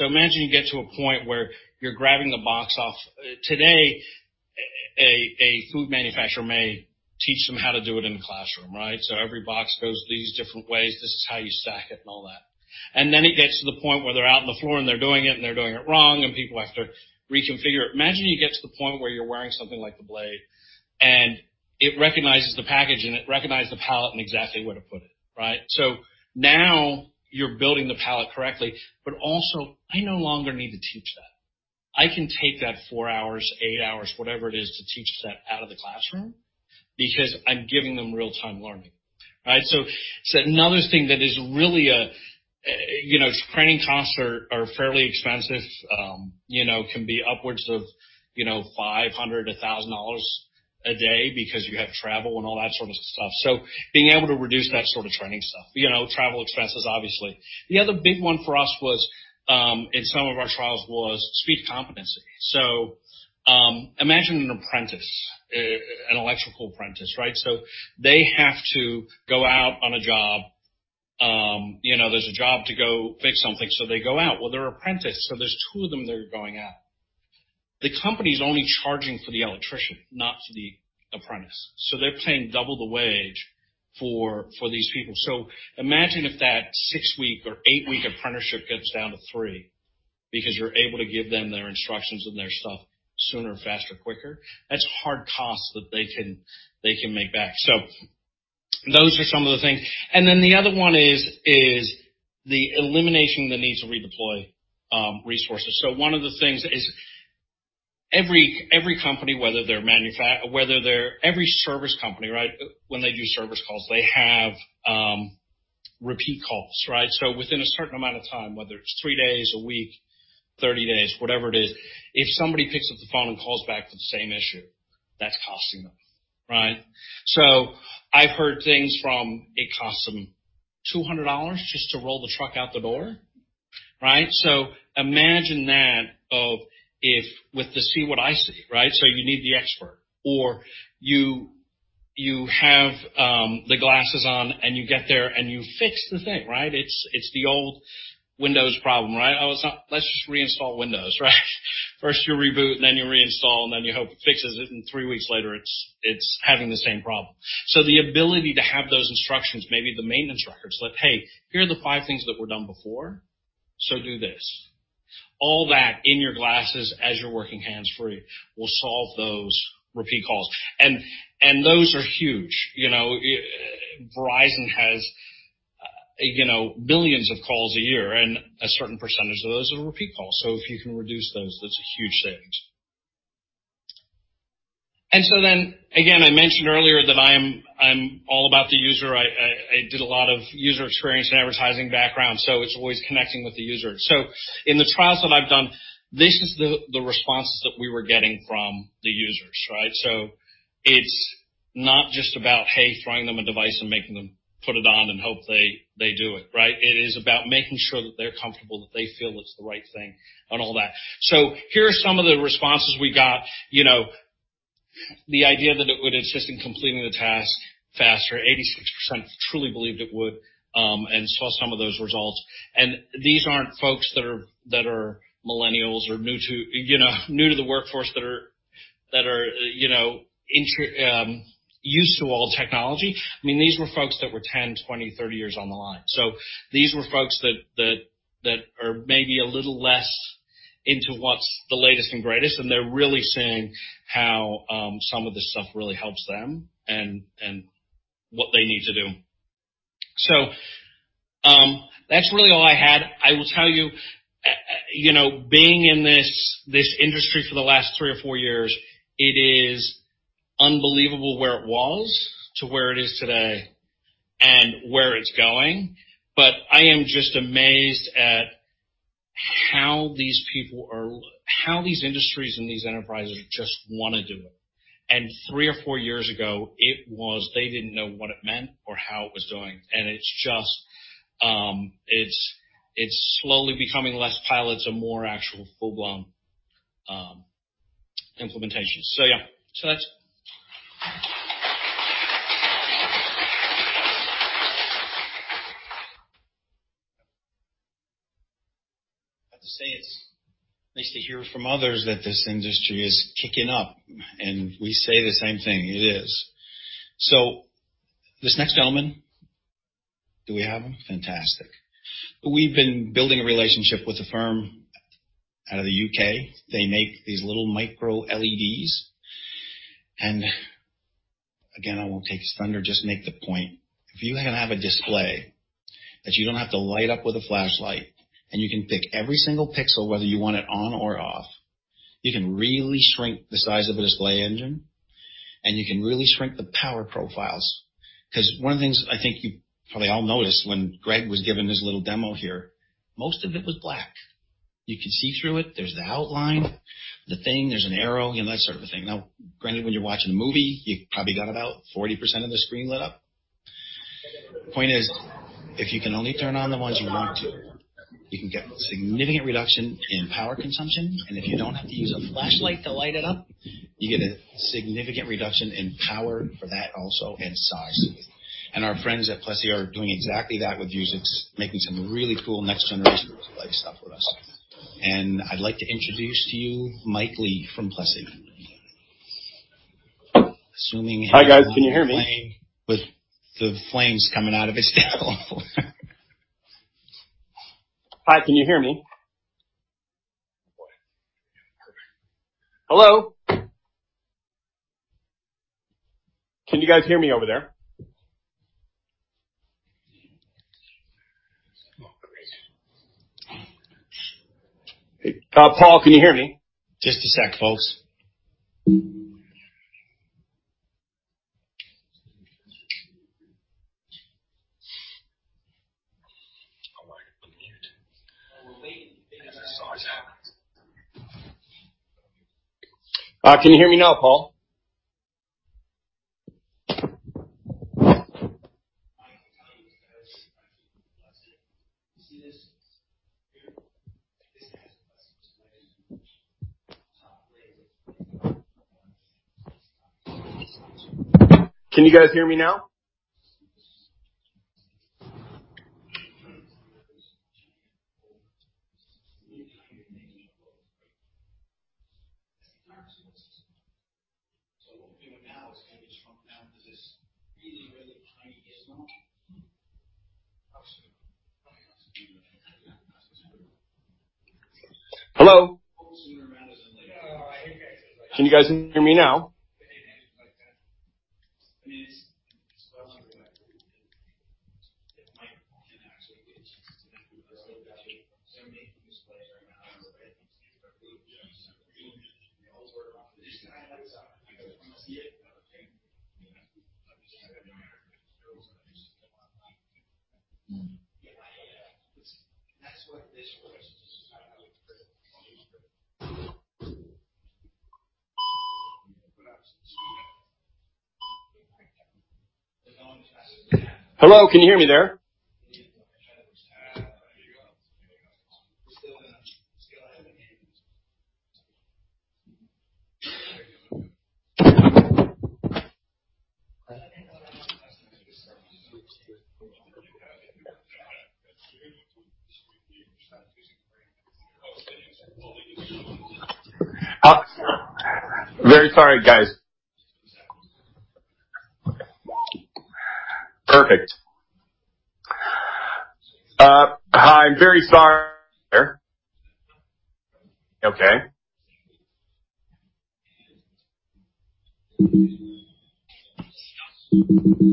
Speaker 10: Imagine you get to a point where you're grabbing a box off. Today, a food manufacturer may teach them how to do it in the classroom, right? Every box goes these different ways, this is how you stack it and all that. It gets to the point where they're out on the floor and they're doing it, and they're doing it wrong, and people have to reconfigure it. Imagine you get to the point where you're wearing something like the Blade, and it recognizes the package and it recognizes the pallet and exactly where to put it. Right? Now you're building the pallet correctly, but also, I no longer need to teach that. I can take that four hours, eight hours, whatever it is to teach that out of the classroom because I'm giving them real-time learning. Right? Another thing that is really, training costs are fairly expensive, can be upwards of $500-$1,000 a day because you have travel and all that sort of stuff. Being able to reduce that sort of training stuff, travel expenses, obviously. The other big one for us was, in some of our trials, was speed competency. Imagine an apprentice, an electrical apprentice, right? They have to go out on a job. There's a job to go fix something, so they go out. They're an apprentice, so there's two of them that are going out. The company's only charging for the electrician, not for the apprentice. They're paying double the wage for these people. Imagine if that 6-week or 8-week apprenticeship gets down to 3 because you're able to give them their instructions and their stuff sooner, faster, quicker. That's hard costs that they can make back. Those are some of the things. The other one is the elimination of the need to redeploy resources. One of the things is every company, every service company, right, when they do service calls, they have repeat calls, right? Within a certain amount of time, whether it's 3 days, a week, 30 days, whatever it is, if somebody picks up the phone and calls back for the same issue, that's costing them, right? I've heard things from it costs them $200 just to roll the truck out the door, right? Imagine that of if with the See-What-I-See, right? You need the expert, or you have the glasses on, and you get there, and you fix the thing, right? It's the old Windows problem, right? "Oh, let's just reinstall Windows," right? First you reboot, then you reinstall, and then you hope it fixes it, and 3 weeks later it's having the same problem. The ability to have those instructions, maybe the maintenance records, like, "Hey, here are the 5 things that were done before, so do this." All that in your glasses as you're working hands-free will solve those repeat calls. Those are huge. Verizon has billions of calls a year, and a certain percentage of those are repeat calls. If you can reduce those, that's a huge savings. Again, I mentioned earlier that I'm all about the user. I did a lot of user experience and advertising background. It's always connecting with the user. In the trials that I've done, this is the responses that we were getting from the users, right? It's not just about, hey, throwing them a device and making them put it on and hope they do it, right? It is about making sure that they're comfortable, that they feel it's the right thing, and all that. Here are some of the responses we got. The idea that it would assist in completing the task faster, 86% truly believed it would, and saw some of those results. These aren't folks that are millennials or new to the workforce, that are used to all technology. These were folks that were 10, 20, 30 years on the line. These were folks that are maybe a little less into what's the latest and greatest, and they're really seeing how some of this stuff really helps them and what they need to do. That's really all I had. I will tell you, being in this industry for the last 3 or 4 years, it is unbelievable where it was to where it is today and where it's going. I am just amazed at how these people or how these industries and these enterprises just want to do it. 3 or 4 years ago, it was, they didn't know what it meant or how it was doing. It's just slowly becoming less pilots and more actual full-blown implementations. Yeah. That's it.
Speaker 1: I have to say, it's nice to hear from others that this industry is kicking up. We say the same thing, it is. This next gentleman, do we have him? Fantastic. We've been building a relationship with a firm out of the U.K. They make these little microLEDs. Again, I won't take his thunder, just make the point. If you can have a display that you don't have to light up with a flashlight, and you can pick every single pixel, whether you want it on or off, you can really shrink the size of a display engine, and you can really shrink the power profiles. Because one of the things I think you probably all noticed when Greg was giving his little demo here, most of it was black. You could see through it. There's the outline, the thing, there's an arrow, that sort of a thing. Now, granted, when you're watching a movie, you probably got about 40% of the screen lit up. Point is, if you can only turn on the ones you want to, you can get significant reduction in power consumption, and if you don't have to use a flashlight to light it up, you get a significant reduction in power for that also, and size. Our friends at Plessey are doing exactly that with Vuzix, making some really cool next generation display stuff with us. I'd like to introduce to you Mike Lee from Plessey.
Speaker 11: Hi, guys. Can you hear me?
Speaker 1: With the flames coming out of his mouth.
Speaker 11: Hi, can you hear me? Hello? Can you guys hear me over there?
Speaker 1: Oh, great.
Speaker 11: Paul, can you hear me?
Speaker 1: Just a sec, folks.
Speaker 11: Can you hear me now, Paul? Can you guys hear me now? Hello, can you hear me there? Very sorry, guys. Perfect. I'm very sorry. Okay.
Speaker 1: Okay,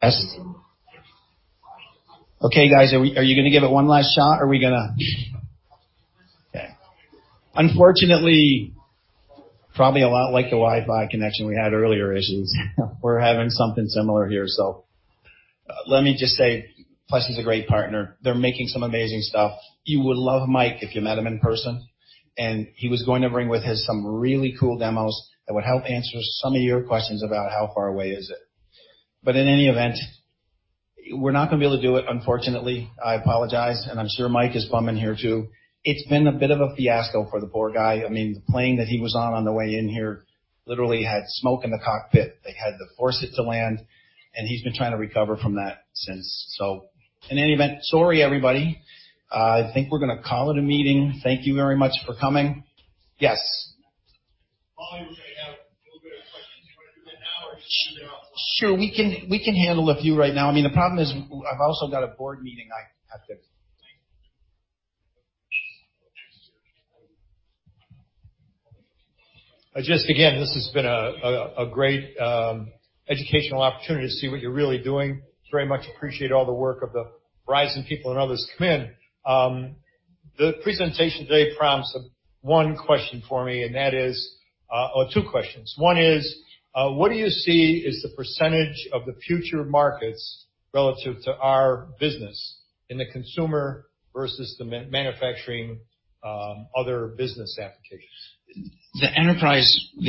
Speaker 1: guys, are you gonna give it one last shot? Okay. Unfortunately, probably a lot like the Wi-Fi connection we had earlier issues, we're having something similar here. Let me just say, Plessey's a great partner. They're making some amazing stuff. You would love Mike if you met him in person, and he was going to bring with his some really cool demos that would help answer some of your questions about how far away is it. In any event, we're not gonna be able to do it, unfortunately. I apologize, and I'm sure Mike is bumming here too. It's been a bit of a fiasco for the poor guy. The plane that he was on the way in here literally had smoke in the cockpit. They had to force it to land, and he's been trying to recover from that since. In any event, sorry, everybody. I think we're gonna call it a meeting. Thank you very much for coming. Yes.
Speaker 12: Paul, we have a little bit of questions. You wanna do that now or just shoot it offline?
Speaker 1: Sure. We can handle a few right now. The problem is I've also got a board meeting I have to-
Speaker 12: Again, this has been a great educational opportunity to see what you're really doing. Very much appreciate all the work of the Verizon people and others who come in. The presentation today prompts one question for me, and that is or two questions. One is, what do you see is the % of the future markets relative to our business in the consumer versus the manufacturing other business applications?
Speaker 1: The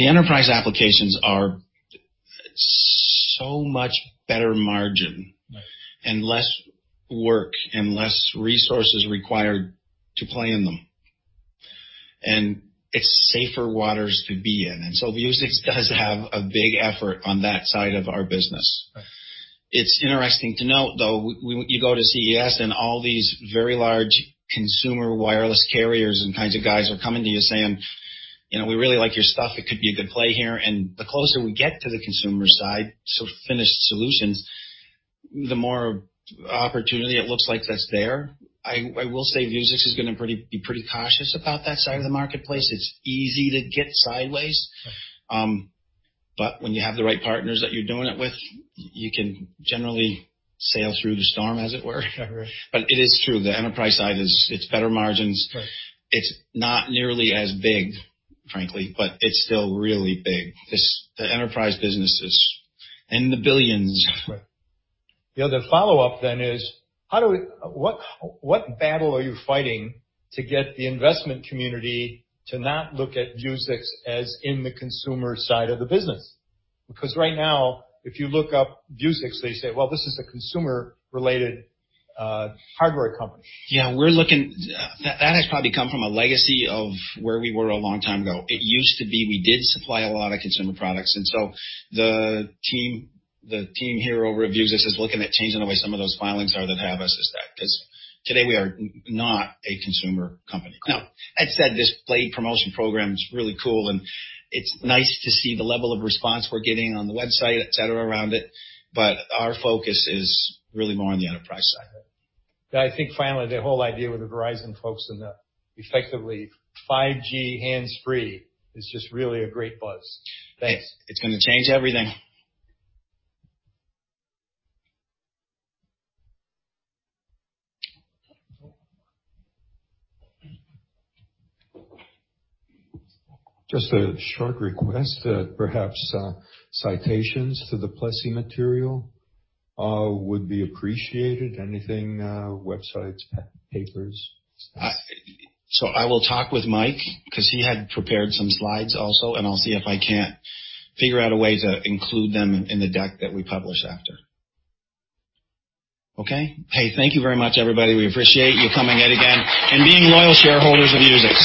Speaker 1: enterprise applications are so much better margin-
Speaker 12: Right
Speaker 1: Less work and less resources required to play in them. It's safer waters to be in. Vuzix does have a big effort on that side of our business.
Speaker 12: Right.
Speaker 1: It's interesting to note, though, you go to CES and all these very large consumer wireless carriers and kinds of guys are coming to you saying, "We really like your stuff. It could be a good play here." The closer we get to the consumer side, so finished solutions, the more opportunity it looks like that's there. I will say Vuzix is gonna be pretty cautious about that side of the marketplace.
Speaker 12: Right.
Speaker 1: It's easy to get sideways.
Speaker 12: Right.
Speaker 1: When you have the right partners that you're doing it with, you can generally sail through the storm as it were.
Speaker 12: Right.
Speaker 1: It is true, the enterprise side is, it's better margins.
Speaker 12: Right.
Speaker 1: It's not nearly as big, frankly, but it's still really big. The enterprise business is in the billions.
Speaker 12: Right. The other follow-up then is, what battle are you fighting to get the investment community to not look at Vuzix as in the consumer side of the business? Because right now, if you look up Vuzix, they say, "Well, this is a consumer-related hardware company.
Speaker 1: Yeah. That has probably come from a legacy of where we were a long time ago. It used to be we did supply a lot of consumer products. The team here over at Vuzix is looking at changing the way some of those filings are that have us as that, because today we are not a consumer company.
Speaker 12: Right.
Speaker 1: That said, this play promotion program is really cool. It's nice to see the level of response we're getting on the website, et cetera, around it. Our focus is really more on the enterprise side.
Speaker 12: Right. I think finally, the whole idea with the Verizon folks and the effectively 5G hands-free is just really a great buzz.
Speaker 1: Thanks. It's gonna change everything.
Speaker 13: Just a short request. Perhaps citations to the Plessey material would be appreciated. Anything, websites, patent papers.
Speaker 1: I will talk with Mike because he had prepared some slides also, and I'll see if I can't figure out a way to include them in the deck that we publish after. Okay? Hey, thank you very much, everybody. We appreciate you coming out again and being loyal shareholders of Vuzix.